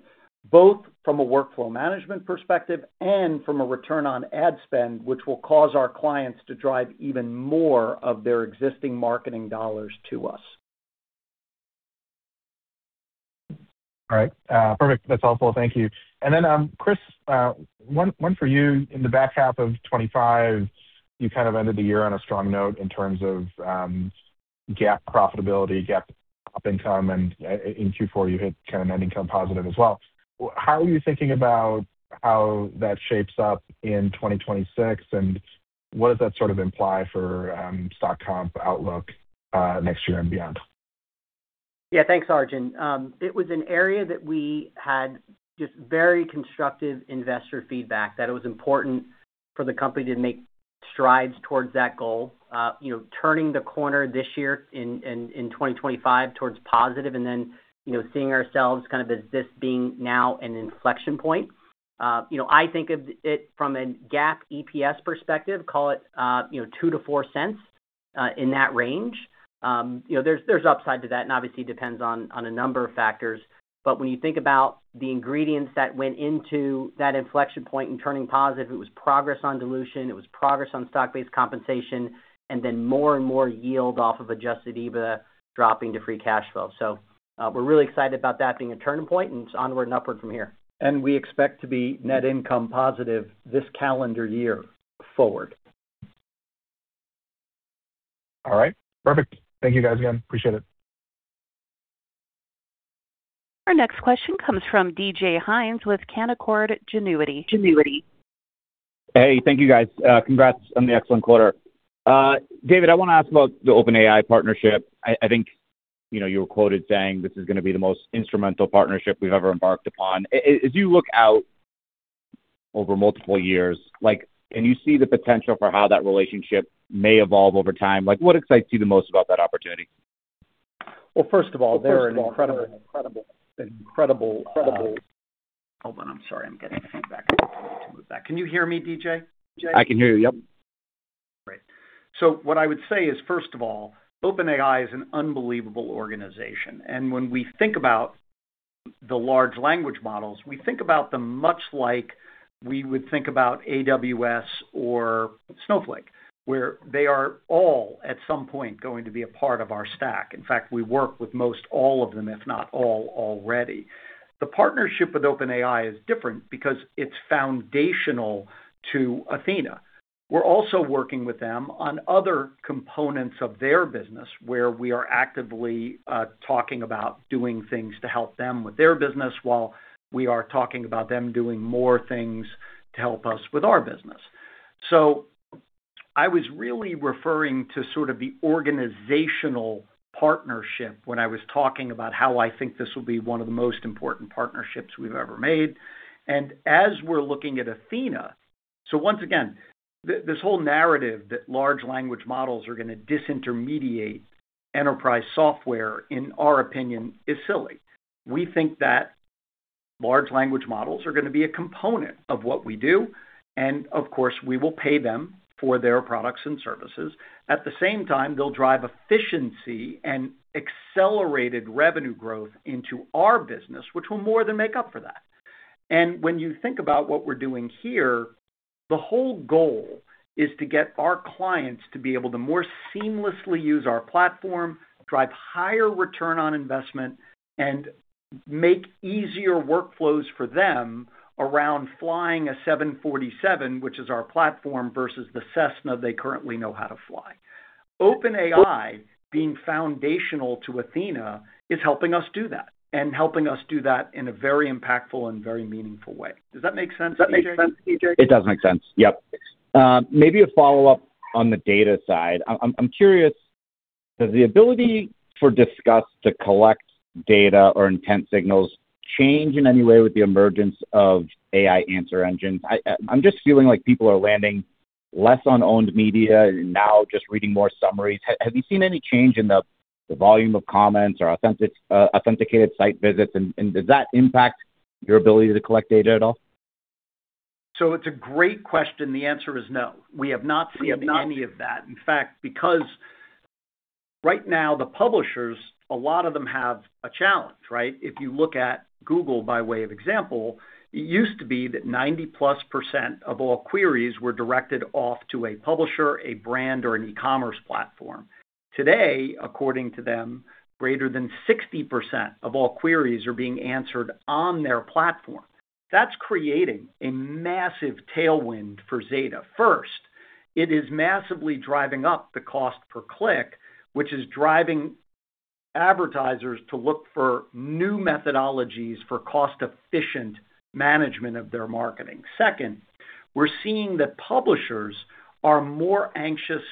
S3: both from a workflow management perspective and from a return on ad spend, which will cause our clients to drive even more of their existing marketing dollars to us.
S8: All right. Perfect. That's helpful. Thank you. Chris, one for you. In the back half of 2025, you kind of ended the year on a strong note in terms of GAAP profitability, GAAP operating income, and in Q4, you hit kind of net income positive as well. How are you thinking about how that shapes up in 2026, and what does that sort of imply for stock comp outlook next year and beyond?
S4: Yeah. Thanks, Arjun. It was an area that we had just very constructive investor feedback, that it was important for the company to make strides towards that goal. You know, turning the corner this year in 2025 towards positive and then, you know, seeing ourselves kind of as this being now an inflection point. You know, I think of it from a GAAP EPS perspective, call it, you know, $0.02-$0.04 in that range. You know, there's upside to that, and obviously depends on a number of factors. When you think about the ingredients that went into that inflection point and turning positive, it was progress on dilution, it was progress on stock-based compensation, and then more and more yield off of adjusted EBITDA dropping to free cash flow. We're really excited about that being a turning point, and it's onward and upward from here.
S3: We expect to be net income positive this calendar year forward.
S8: All right. Perfect. Thank you, guys, again. Appreciate it.
S1: Our next question comes from DJ Hynes with Canaccord Genuity.
S9: Hey, thank you, guys. Congrats on the excellent quarter. David, I wanna ask about the OpenAI partnership. I think, you know, you were quoted saying, "This is gonna be the most instrumental partnership we've ever embarked upon." As you look out over multiple years, like, can you see the potential for how that relationship may evolve over time? Like, what excites you the most about that opportunity?
S3: First of all, they're an incredible, Hold on. I'm sorry, I'm getting a feedback. I need to move that. Can you hear me, DJ?
S9: I can hear you. Yep.
S3: Great. What I would say is, first of all, OpenAI is an unbelievable organization, and when we think about the large language models, we think about them much like we would think about AWS or Snowflake, where they are all, at some point, going to be a part of our stack. In fact, we work with most all of them, if not all already. The partnership with OpenAI is different because it's foundational to Athena. We're also working with them on other components of their business, where we are actively talking about doing things to help them with their business, while we are talking about them doing more things to help us with our business. I was really referring to sort of the organizational partnership when I was talking about how I think this will be one of the most important partnerships we've ever made. As we're looking at Athena. Once again, this whole narrative that large language models are gonna disintermediate enterprise software, in our opinion, is silly. We think that large language models are gonna be a component of what we do, and of course, we will pay them for their products and services. At the same time, they'll drive efficiency and accelerated revenue growth into our business, which will more than make up for that. When you think about what we're doing here, the whole goal is to get our clients to be able to more seamlessly use our platform, drive higher return on investment, and make easier workflows for them around flying a 747, which is our platform, versus the Cessna they currently know how to fly. OpenAI, being foundational to Athena, is helping us do that, and helping us do that in a very impactful and very meaningful way. Does that make sense, DJ?
S9: It does make sense. Yep. Maybe a follow-up on the data side. I'm curious, does the ability for Disqus to collect data or intent signals change in any way with the emergence of AI answer engines? I'm just feeling like people are landing less on owned media and now just reading more summaries. Have you seen any change in the volume of comments or authenticated site visits? Does that impact your ability to collect data at all?
S3: It's a great question. The answer is no. We have not seen any of that. In fact, because right now, the publishers, a lot of them have a challenge, right? If you look at Google, by way of example, it used to be that 90%+ of all queries were directed off to a publisher, a brand, or an e-commerce platform. Today, according to them, greater than 60% of all queries are being answered on their platform. That's creating a massive tailwind for Zeta. First, it is massively driving up the cost per click, which is driving advertisers to look for new methodologies for cost-efficient management of their marketing. Second, we're seeing that publishers are more anxious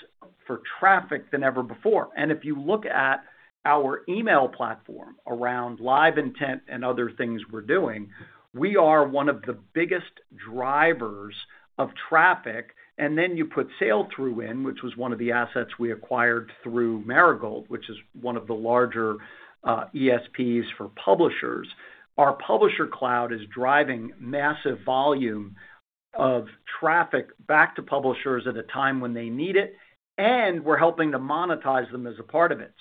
S3: for traffic than ever before. If you look at our email platform around LiveIntent and other things we're doing, we are one of the biggest drivers of traffic. You put Sailthru in, which was one of the assets we acquired through Marigold, which is one of the larger ESPs for publishers. Our Publisher Cloud is driving massive volume of traffic back to publishers at a time when they need it, and we're helping to monetize them as a part of it.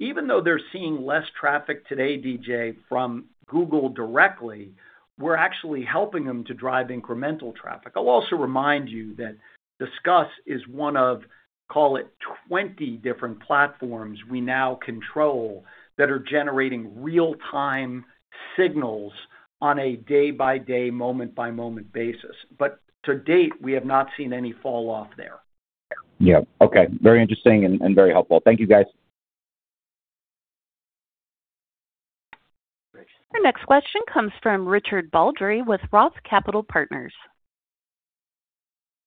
S3: Even though they're seeing less traffic today, DJ, from Google directly, we're actually helping them to drive incremental traffic. I'll also remind you that Disqus is one of, call it, 20 different platforms we now control, that are generating real-time signals on a day-by-day, moment-by-moment basis. To date, we have not seen any fall off there.
S9: Yeah. Okay. Very interesting and very helpful. Thank you, guys.
S1: Our next question comes from Richard Baldry with Roth Capital Partners.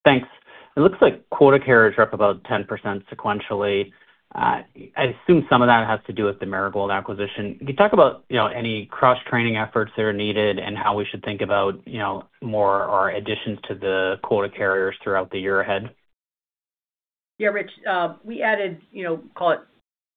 S10: Thanks. It looks like quota carriers are up about 10% sequentially. I assume some of that has to do with the Marigold acquisition. Can you talk about, you know, any cross-training efforts that are needed and how we should think about, you know, more or additions to the quota carriers throughout the year ahead?
S4: Yeah, Rich, we added, you know, call it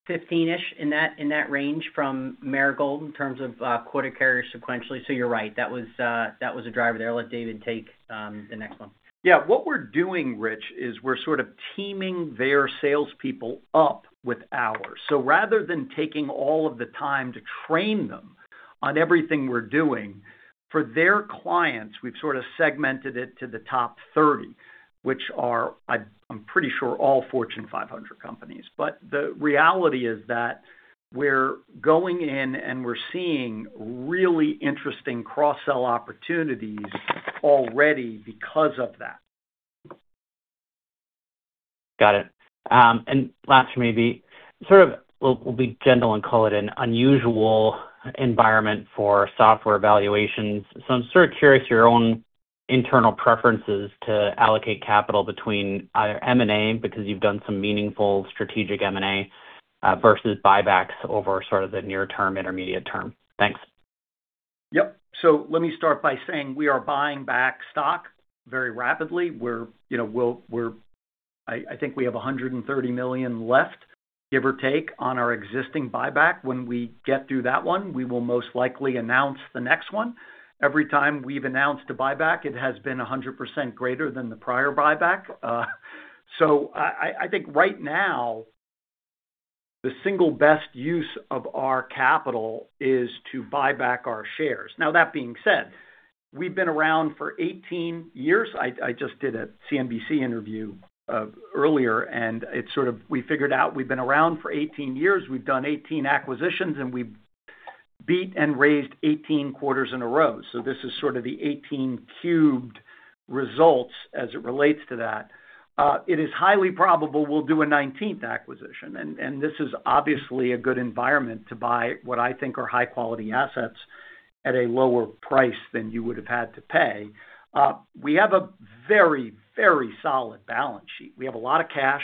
S4: 15-ish in that, in that range from Marigold in terms of quota carrier sequentially. You're right, that was a driver there. I'll let David take the next one.
S3: Yeah, what we're doing, Rich, is we're sort of teaming their salespeople up with ours. Rather than taking all of the time to train them on everything we're doing, for their clients, we've sort of segmented it to the top 30, which are, I'm pretty sure, all Fortune 500 companies. The reality is that we're going in and we're seeing really interesting cross-sell opportunities already because of that.
S10: Got it. Last for me, the sort of, we'll be gentle and call it an unusual environment for software valuations. I'm sort of curious your own internal preferences to allocate capital between either M&A, because you've done some meaningful strategic M&A, versus buybacks over sort of the near term, intermediate term. Thanks.
S3: Let me start by saying we are buying back stock very rapidly. We're, you know, I think we have $130 million left, give or take, on our existing buyback. When we get through that one, we will most likely announce the next one. Every time we've announced a buyback, it has been 100% greater than the prior buyback. I think right now, the single best use of our capital is to buy back our shares. Now, that being said, we've been around for 18 years. I just did a CNBC interview earlier, and it sort of... We figured out we've been around for 18 years, we've done 18 acquisitions, and we've beat and raised 18 quarters in a row. This is sort of the 18 cubed results as it relates to that. It is highly probable we'll do a nineteenth acquisition, and this is obviously a good environment to buy what I think are high quality assets at a lower price than you would have had to pay. We have a very, very solid balance sheet. We have a lot of cash.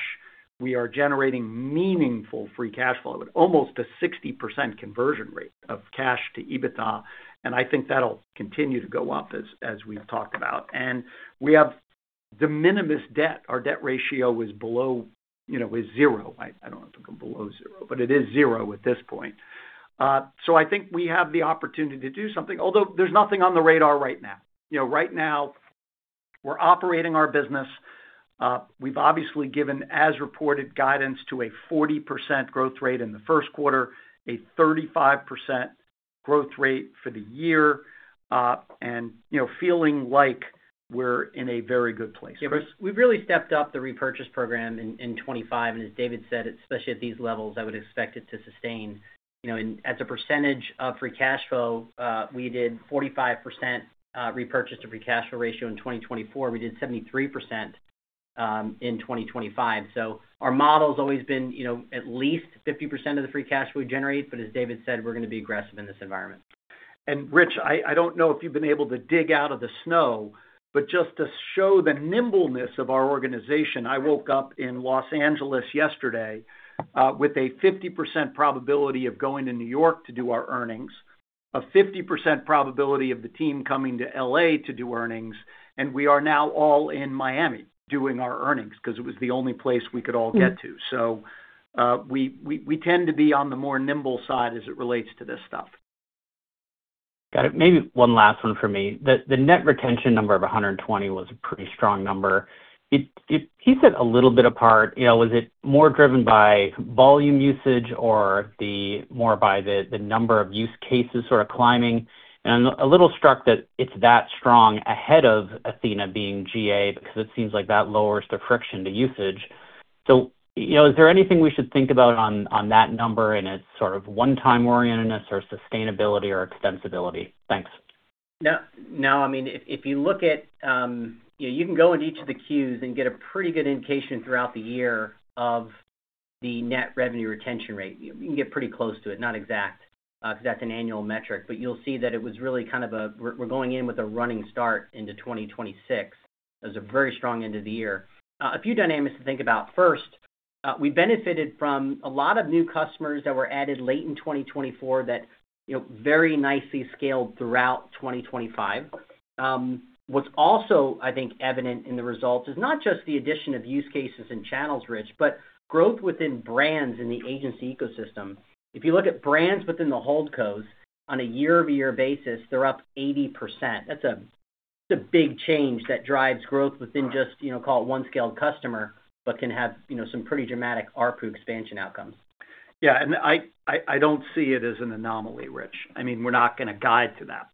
S3: We are generating meaningful free cash flow, with almost a 60% conversion rate of cash to EBITDA, and I think that'll continue to go up, as we've talked about. We have de minimis debt. Our debt ratio is below, you know, is zero. I don't know if it can go below zero, but it is zero at this point. I think we have the opportunity to do something, although there's nothing on the radar right now. You know, right now, we're operating our business. we've obviously given as reported guidance to a 40% growth rate in the first quarter, a 35% growth rate for the year, you know, feeling like we're in a very good place.
S4: Yeah, we've really stepped up the repurchase program in 2025. As David said, especially at these levels, I would expect it to sustain. You know, as a percentage of free cash flow, we did 45% repurchase to free cash flow ratio in 2024. We did 73% in 2025. Our model's always been, you know, at least 50% of the free cash flow we generate, but as David said, we're gonna be aggressive in this environment.
S3: Rich, I don't know if you've been able to dig out of the snow, but just to show the nimbleness of our organization, I woke up in Los Angeles yesterday, with a 50% probability of going to New York to do our earnings, a 50% probability of the team coming to L.A. to do earnings, and we are now all in Miami doing our earnings, because it was the only place we could all get to. We tend to be on the more nimble side as it relates to this stuff.
S10: Got it. Maybe one last one for me. The net retention number of 120 was a pretty strong number. It piece it a little bit apart, you know, was it more driven by volume usage or the more by the number of use cases sort of climbing? I'm a little struck that it's that strong ahead of Athena being GA, because it seems like that lowers the friction to usage. You know, is there anything we should think about on that number, and it's sort of one-time orientedness or sustainability or extensibility? Thanks.
S4: No, no, I mean, if you look at, you know, you can go into each of the queues and get a pretty good indication throughout the year of the net revenue retention rate. You can get pretty close to it, not exact, because that's an annual metric, but you'll see that it was really kind of a, we're going in with a running start into 2026. It was a very strong end of the year. A few dynamics to think about. First, we benefited from a lot of new customers that were added late in 2024 that, you know, very nicely scaled throughout 2025. What's also, I think, evident in the results is not just the addition of use cases and channels, Rich, but growth within brands in the agency ecosystem. If you look at brands within the HoldCo, on a year-over-year basis, they're up 80%. That's a big change that drives growth within, you know, call it one scaled customer, but can have, you know, some pretty dramatic ARPU expansion outcomes.
S3: I don't see it as an anomaly, Rich. I mean, we're not gonna guide to that.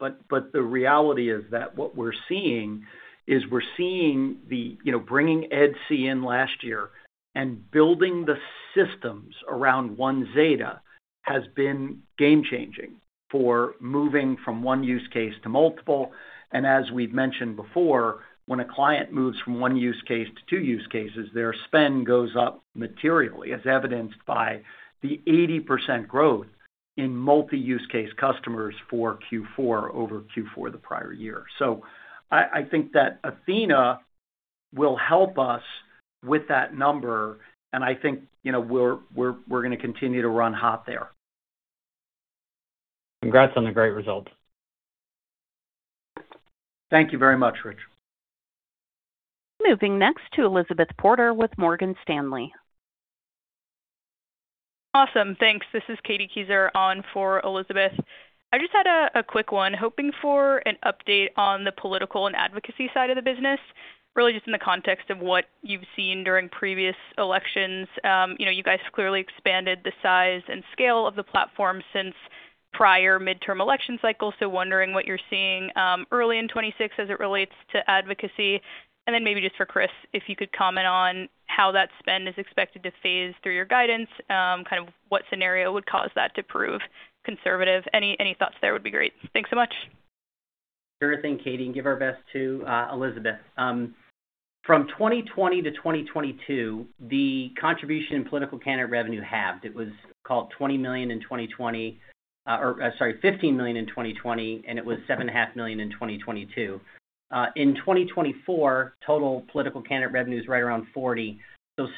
S3: The reality is that what we're seeing is, we're seeing the bringing EDC in last year and building the systems around One Zeta has been game changing for moving from one use case to multiple. As we've mentioned before, when a client moves from one use case to two use cases, their spend goes up materially, as evidenced by the 80% growth in multi-use case customers for Q4 over Q4 the prior year. I think that Athena will help us with that number, and I think we're gonna continue to run hot there.
S10: Congrats on the great results.
S3: Thank you very much, Rich.
S1: Moving next to Elizabeth Porter with Morgan Stanley.
S11: Awesome. Thanks. This is Katie Keyser on for Elizabeth. I just had a quick one, hoping for an update on the political and advocacy side of the business, really just in the context of what you've seen during previous elections. You know, you guys clearly expanded the size and scale of the platform since prior midterm election cycles. Wondering what you're seeing early in 2026 as it relates to advocacy. Then maybe just for Chris, if you could comment on how that spend is expected to phase through your guidance, kind of what scenario would cause that to prove conservative? Any, any thoughts there would be great. Thanks so much.
S4: Sure thing, Katie, give our best to Elizabeth. From 2020 to 2022, the contribution in political candidate revenue halved. It was $15 million in 2020, and it was $7.5 million in 2022. In 2024, total political candidate revenue is right around $40 million.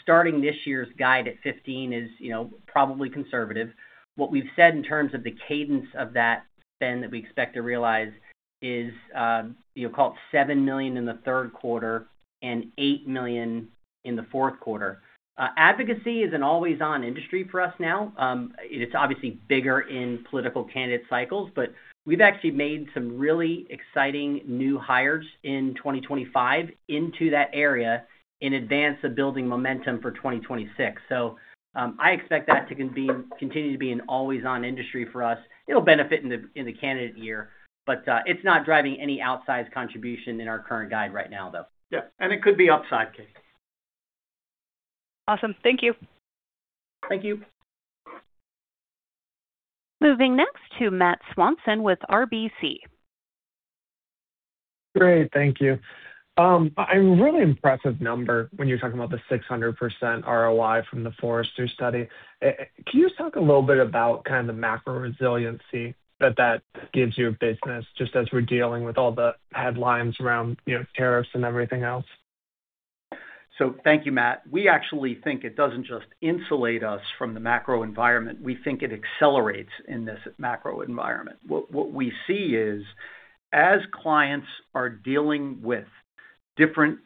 S4: Starting this year's guide at $15 million is, you know, probably conservative. What we've said in terms of the cadence of that spend that we expect to realize is, you call it $7 million in the third quarter, $8 million in the fourth quarter. Advocacy is an always-on industry for us now. It's obviously bigger in political candidate cycles, we've actually made some really exciting new hires in 2025 into that area in advance of building momentum for 2026. I expect that to continue to be an always-on industry for us. It'll benefit in the, in the candidate year, but it's not driving any outsized contribution in our current guide right now, though.
S3: Yeah, and it could be upside, Katie.
S11: Awesome. Thank you.
S4: Thank you.
S1: Moving next to Matt Swanson with RBC.
S12: Great. Thank you. A really impressive number when you're talking about the 600% ROI from the Forrester study. Can you just talk a little bit about kind of the macro resiliency that that gives your business, just as we're dealing with all the headlines around, you know, tariffs and everything else?
S3: Thank you, Matt. We actually think it doesn't just insulate us from the macro environment. We think it accelerates in this macro environment. What we see is, as clients are dealing with different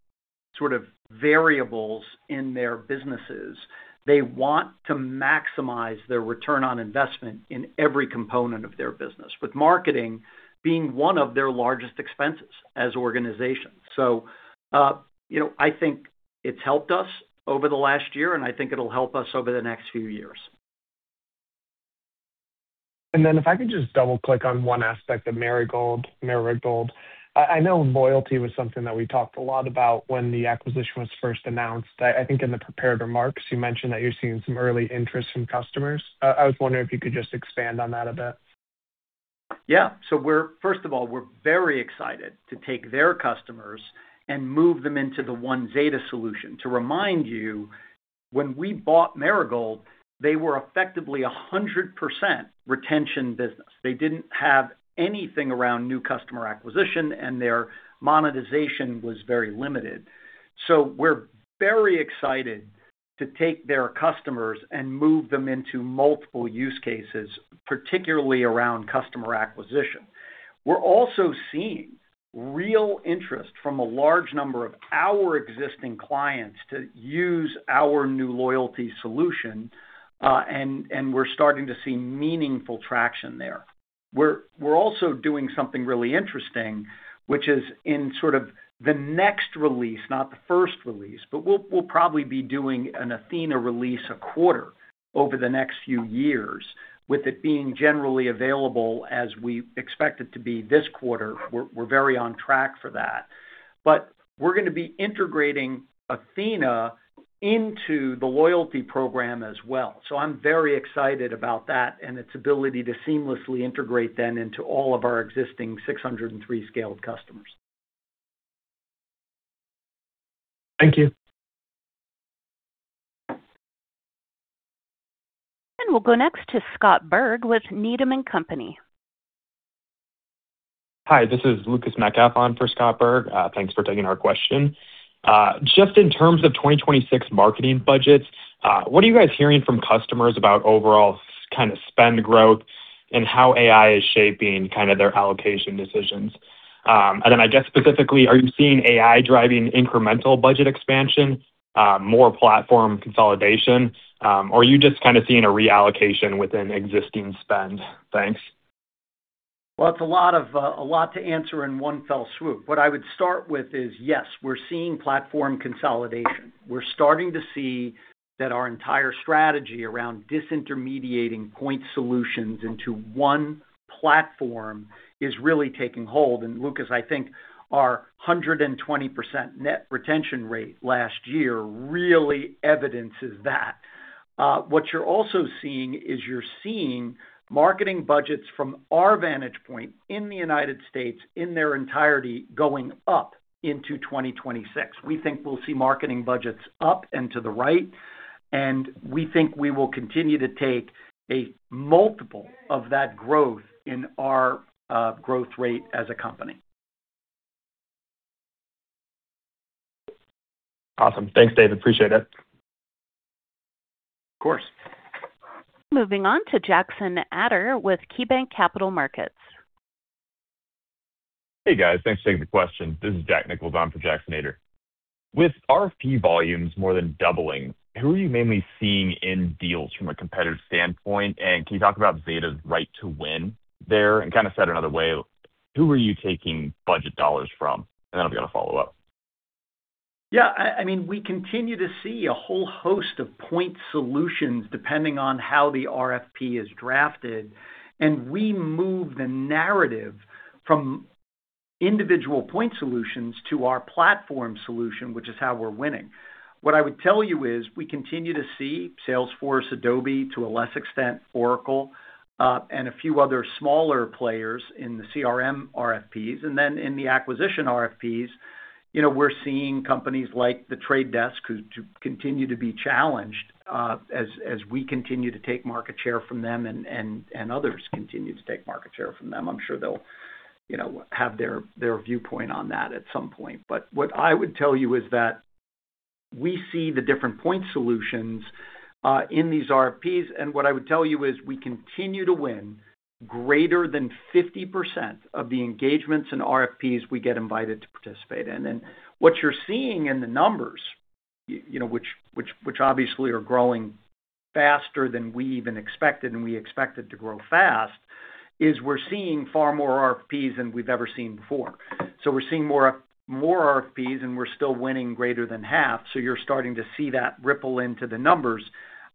S3: sort of variables in their businesses, they want to maximize their return on investment in every component of their business, with marketing being one of their largest expenses as organizations. You know, I think it's helped us over the last year, and I think it'll help us over the next few years.
S12: If I could just double-click on one aspect of Marigold. I know loyalty was something that we talked a lot about when the acquisition was first announced. I think in the prepared remarks, you mentioned that you're seeing some early interest from customers. I was wondering if you could just expand on that a bit.
S3: We're first of all, we're very excited to take their customers and move them into the One Zeta solution. To remind you, when we bought Marigold, they were effectively a 100% retention business. They didn't have anything around new customer acquisition, and their monetization was very limited. We're very excited to take their customers and move them into multiple use cases, particularly around customer acquisition. We're also seeing real interest from a large number of our existing clients to use our new loyalty solution, and we're starting to see meaningful traction there. We're also doing something really interesting, which is in sort of the next release, not the first release, but we'll probably be doing an Athena release a quarter over the next few years, with it being generally available as we expect it to be this quarter. We're very on track for that. We're gonna be integrating Athena into the loyalty program as well. I'm very excited about that and its ability to seamlessly integrate them into all of our existing 603 scaled customers.
S12: Thank you.
S1: We'll go next to Scott Berg with Needham & Company.
S13: Hi, this is Lucas Metcalf on for Scott Berg. Thanks for taking our question. Just in terms of 2026 marketing budgets, what are you guys hearing from customers about overall kind of spend growth and how AI is shaping kind of their allocation decisions? I guess specifically, are you seeing AI driving incremental budget expansion, more platform consolidation, or are you just kind of seeing a reallocation within existing spend? Thanks.
S3: Well, it's a lot of, a lot to answer in one fell swoop. What I would start with is, yes, we're seeing platform consolidation. We're starting to see that our entire strategy around disintermediating point solutions into one platform is really taking hold. Lucas, I think our 120% net retention rate last year really evidences that. What you're also seeing is you're seeing marketing budgets from our vantage point in the United States, in their entirety, going up into 2026. We think we'll see marketing budgets up and to the right, and we think we will continue to take a multiple of that growth in our growth rate as a company.
S13: Awesome. Thanks, Dave. Appreciate it.
S3: Of course.
S1: Moving on to Jackson Ader with KeyBanc Capital Markets.
S14: Hey, guys, thanks for taking the question. This is Jack Nichols on for Jackson Ader. With RFP volumes more than doubling, who are you mainly seeing in deals from a competitive standpoint? Can you talk about Zeta's right to win there, and kind of said another way, who are you taking budget dollars from? I've got a follow-up.
S3: I mean, we continue to see a whole host of point solutions, depending on how the RFP is drafted, we move the narrative from individual point solutions to our platform solution, which is how we're winning. What I would tell you is, we continue to see Salesforce, Adobe, to a less extent, Oracle, and a few other smaller players in the CRM RFPs. Then in the acquisition RFPs, you know, we're seeing companies like The Trade Desk, who continue to be challenged, as we continue to take market share from them and others continue to take market share from them. I'm sure they'll, you know, have their viewpoint on that at some point. What I would tell you is that we see the different point solutions in these RFPs, and what I would tell you is, we continue to win greater than 50% of the engagements and RFPs we get invited to participate in. What you're seeing in the numbers, you know, which obviously are growing faster than we even expected, and we expected to grow fast, is we're seeing far more RFPs than we've ever seen before. We're seeing more RFPs, and we're still winning greater than half, so you're starting to see that ripple into the numbers.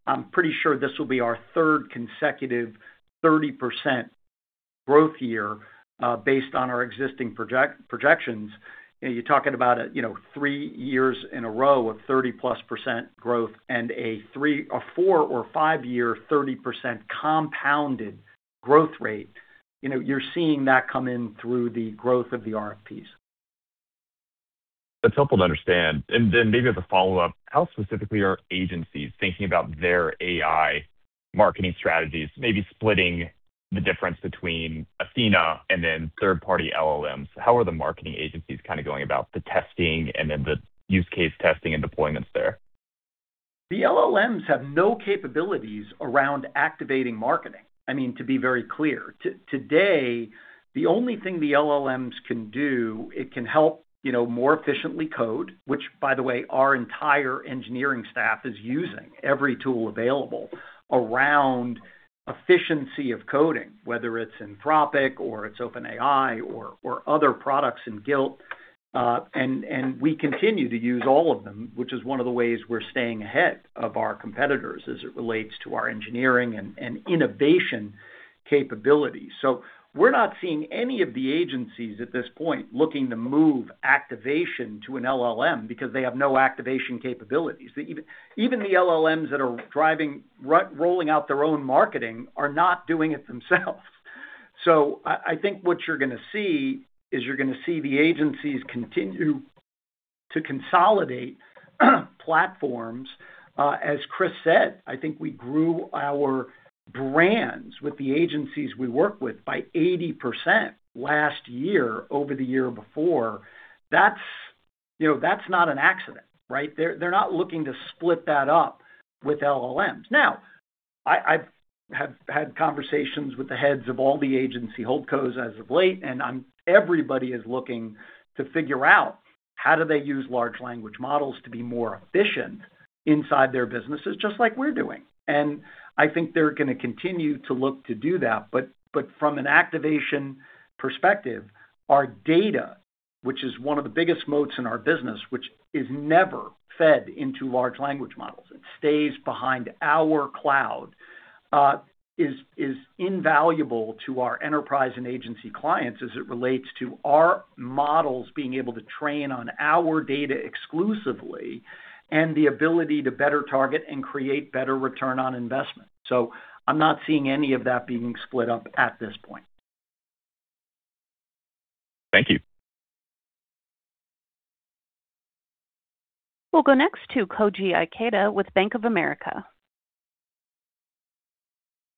S3: I'm pretty sure this will be our third consecutive 30% growth year, based on our existing projections. You know, you're talking about a, you know, three years in a row of 30%+ growth and a four or five-year, 30% compounded growth rate. You know, you're seeing that come in through the growth of the RFPs.
S14: That's helpful to understand. Maybe as a follow-up, how specifically are agencies thinking about their AI marketing strategies, maybe splitting the difference between Athena and then third-party LLMs? How are the marketing agencies kind of going about the testing and then the use case testing and deployments there?
S3: The LLMs have no capabilities around activating marketing. I mean, to be very clear, today, the only thing the LLMs can do, it can help, you know, more efficiently code, which, by the way, our entire engineering staff is using every tool available around efficiency of coding, whether it's Anthropic or it's OpenAI or other products in guilt. And we continue to use all of them, which is one of the ways we're staying ahead of our competitors as it relates to our engineering and innovation capabilities. We're not seeing any of the agencies at this point looking to move activation to an LLM because they have no activation capabilities. Even the LLMs that are driving, rolling out their own marketing are not doing it themselves. I think what you're going to see is, you're going to see the agencies continue to consolidate platforms. As Chris said, I think we grew our brands with the agencies we work with by 80% last year over the year before. That's, you know, that's not an accident, right? They're not looking to split that up with LLMs. I've had conversations with the heads of all the agency HoldCos as of late, and everybody is looking to figure out how do they use large language models to be more efficient inside their businesses, just like we're doing. I think they're going to continue to look to do that. From an activation perspective, our data, which is one of the biggest moats in our business, which is never fed into large language models, it stays behind our cloud, is invaluable to our enterprise and agency clients as it relates to our models being able to train on our data exclusively, and the ability to better target and create better return on investment. I'm not seeing any of that being split up at this point.
S14: Thank you.
S1: We'll go next to Koji Ikeda with Bank of America.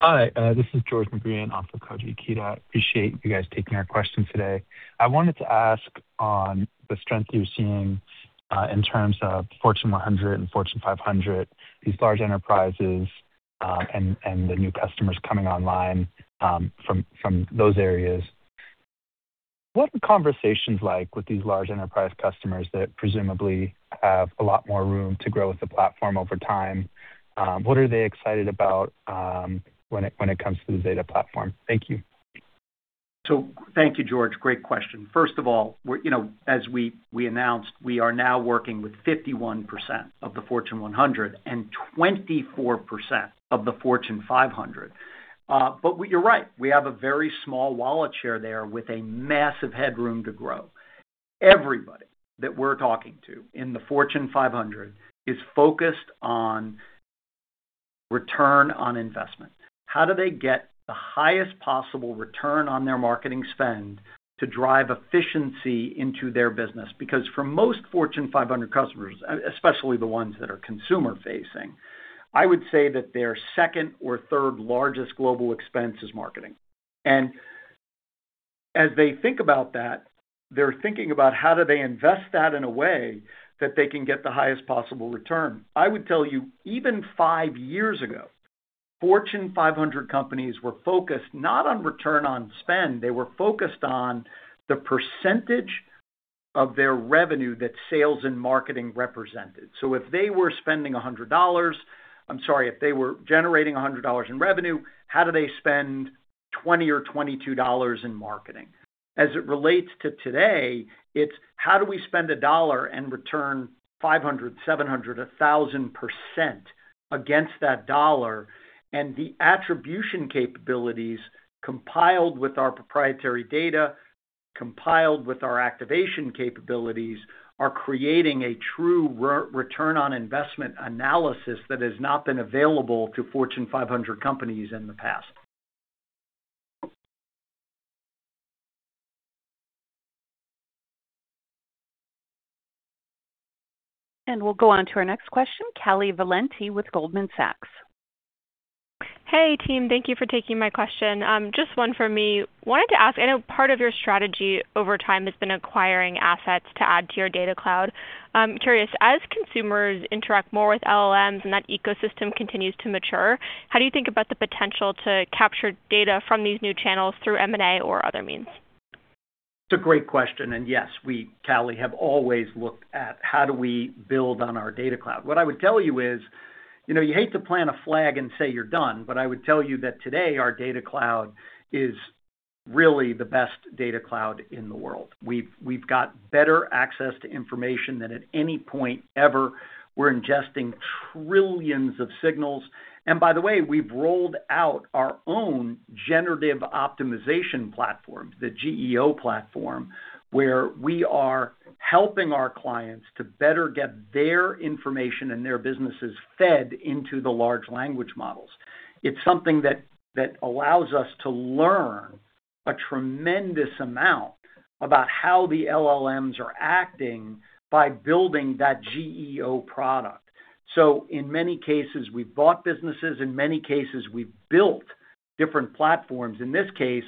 S15: Hi, this is George McGreehan, off of Koji Ikeda. Appreciate you guys taking our question today. I wanted to ask on the strength you're seeing in terms of Fortune 100 and Fortune 500, these large enterprises, and the new customers coming online from those areas. What are conversations like with these large enterprise customers that presumably have a lot more room to grow with the platform over time? What are they excited about when it comes to the Zeta platform? Thank you.
S3: Thank you, George. Great question. First of all, we're, you know, as we announced, we are now working with 51% of the Fortune 100 and 24% of the Fortune 500. Well, you're right, we have a very small wallet share there with a massive headroom to grow. Everybody that we're talking to in the Fortune 500 is focused on return on investment. How do they get the highest possible return on their marketing spend to drive efficiency into their business? For most Fortune 500 customers, especially the ones that are consumer-facing, I would say that their second or third largest global expense is marketing. As they think about that, they're thinking about how do they invest that in a way that they can get the highest possible return? I would tell you, even five years ago, Fortune 500 companies were focused not on return on spend, they were focused on the percentage of their revenue that sales and marketing represented. If they were spending $100, I'm sorry, if they were generating $100 in revenue, how do they spend $20 or $22 in marketing? As it relates to today, it's how do we spend $1 and return 500%, 700%, 1,000% against that dollar? The attribution capabilities, compiled with our proprietary data, compiled with our activation capabilities, are creating a true Return on Investment analysis that has not been available to Fortune 500 companies in the past.
S1: We'll go on to our next question, Callie Valenti with Goldman Sachs.
S16: Hey, team. Thank you for taking my question. Just one for me. Wanted to ask, I know part of your strategy over time has been acquiring assets to add to your Data Cloud. Curious, as consumers interact more with LLMs and that ecosystem continues to mature, how do you think about the potential to capture data from these new channels through M&A or other means?
S3: It's a great question. Yes, we, Callie, have always looked at how do we build on our Data Cloud. What I would tell you is, you know, you hate to plant a flag and say you're done, but I would tell you that today, our Data Cloud is really the best Data Cloud in the world. We've got better access to information than at any point ever. We're ingesting trillions of signals. By the way, we've rolled out our own Generative Engine Optimization platform, the GEO platform, where we are helping our clients to better get their information and their businesses fed into the large language models. It's something that allows us to learn a tremendous amount about how the LLMs are acting by building that GEO product. In many cases, we've bought businesses, in many cases, we've built different platforms. In this case,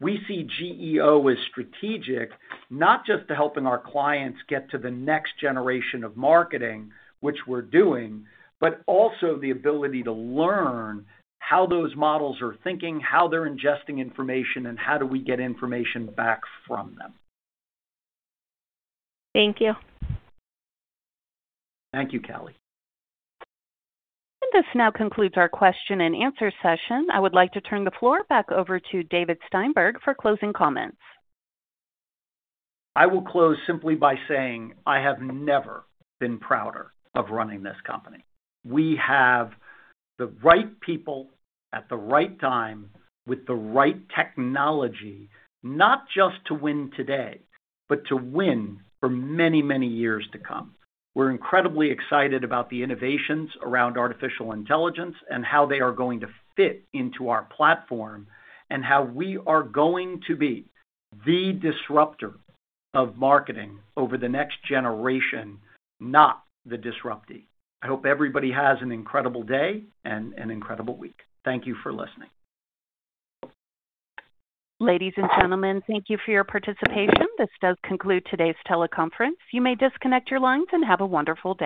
S3: we see GEO as strategic, not just to helping our clients get to the next generation of marketing, which we're doing, but also the ability to learn how those models are thinking, how they're ingesting information, and how do we get information back from them.
S16: Thank you.
S3: Thank you, Callie.
S1: This now concludes our question and answer session. I would like to turn the floor back over to David Steinberg for closing comments.
S3: I will close simply by saying, I have never been prouder of running this company. We have the right people at the right time with the right technology, not just to win today, but to win for many, many years to come. We're incredibly excited about the innovations around artificial intelligence and how they are going to fit into our platform, and how we are going to be the disruptor of marketing over the next generation, not the disruptee. I hope everybody has an incredible day and an incredible week. Thank you for listening.
S1: Ladies and gentlemen, thank you for your participation. This does conclude today's teleconference. You may disconnect your lines, and have a wonderful day.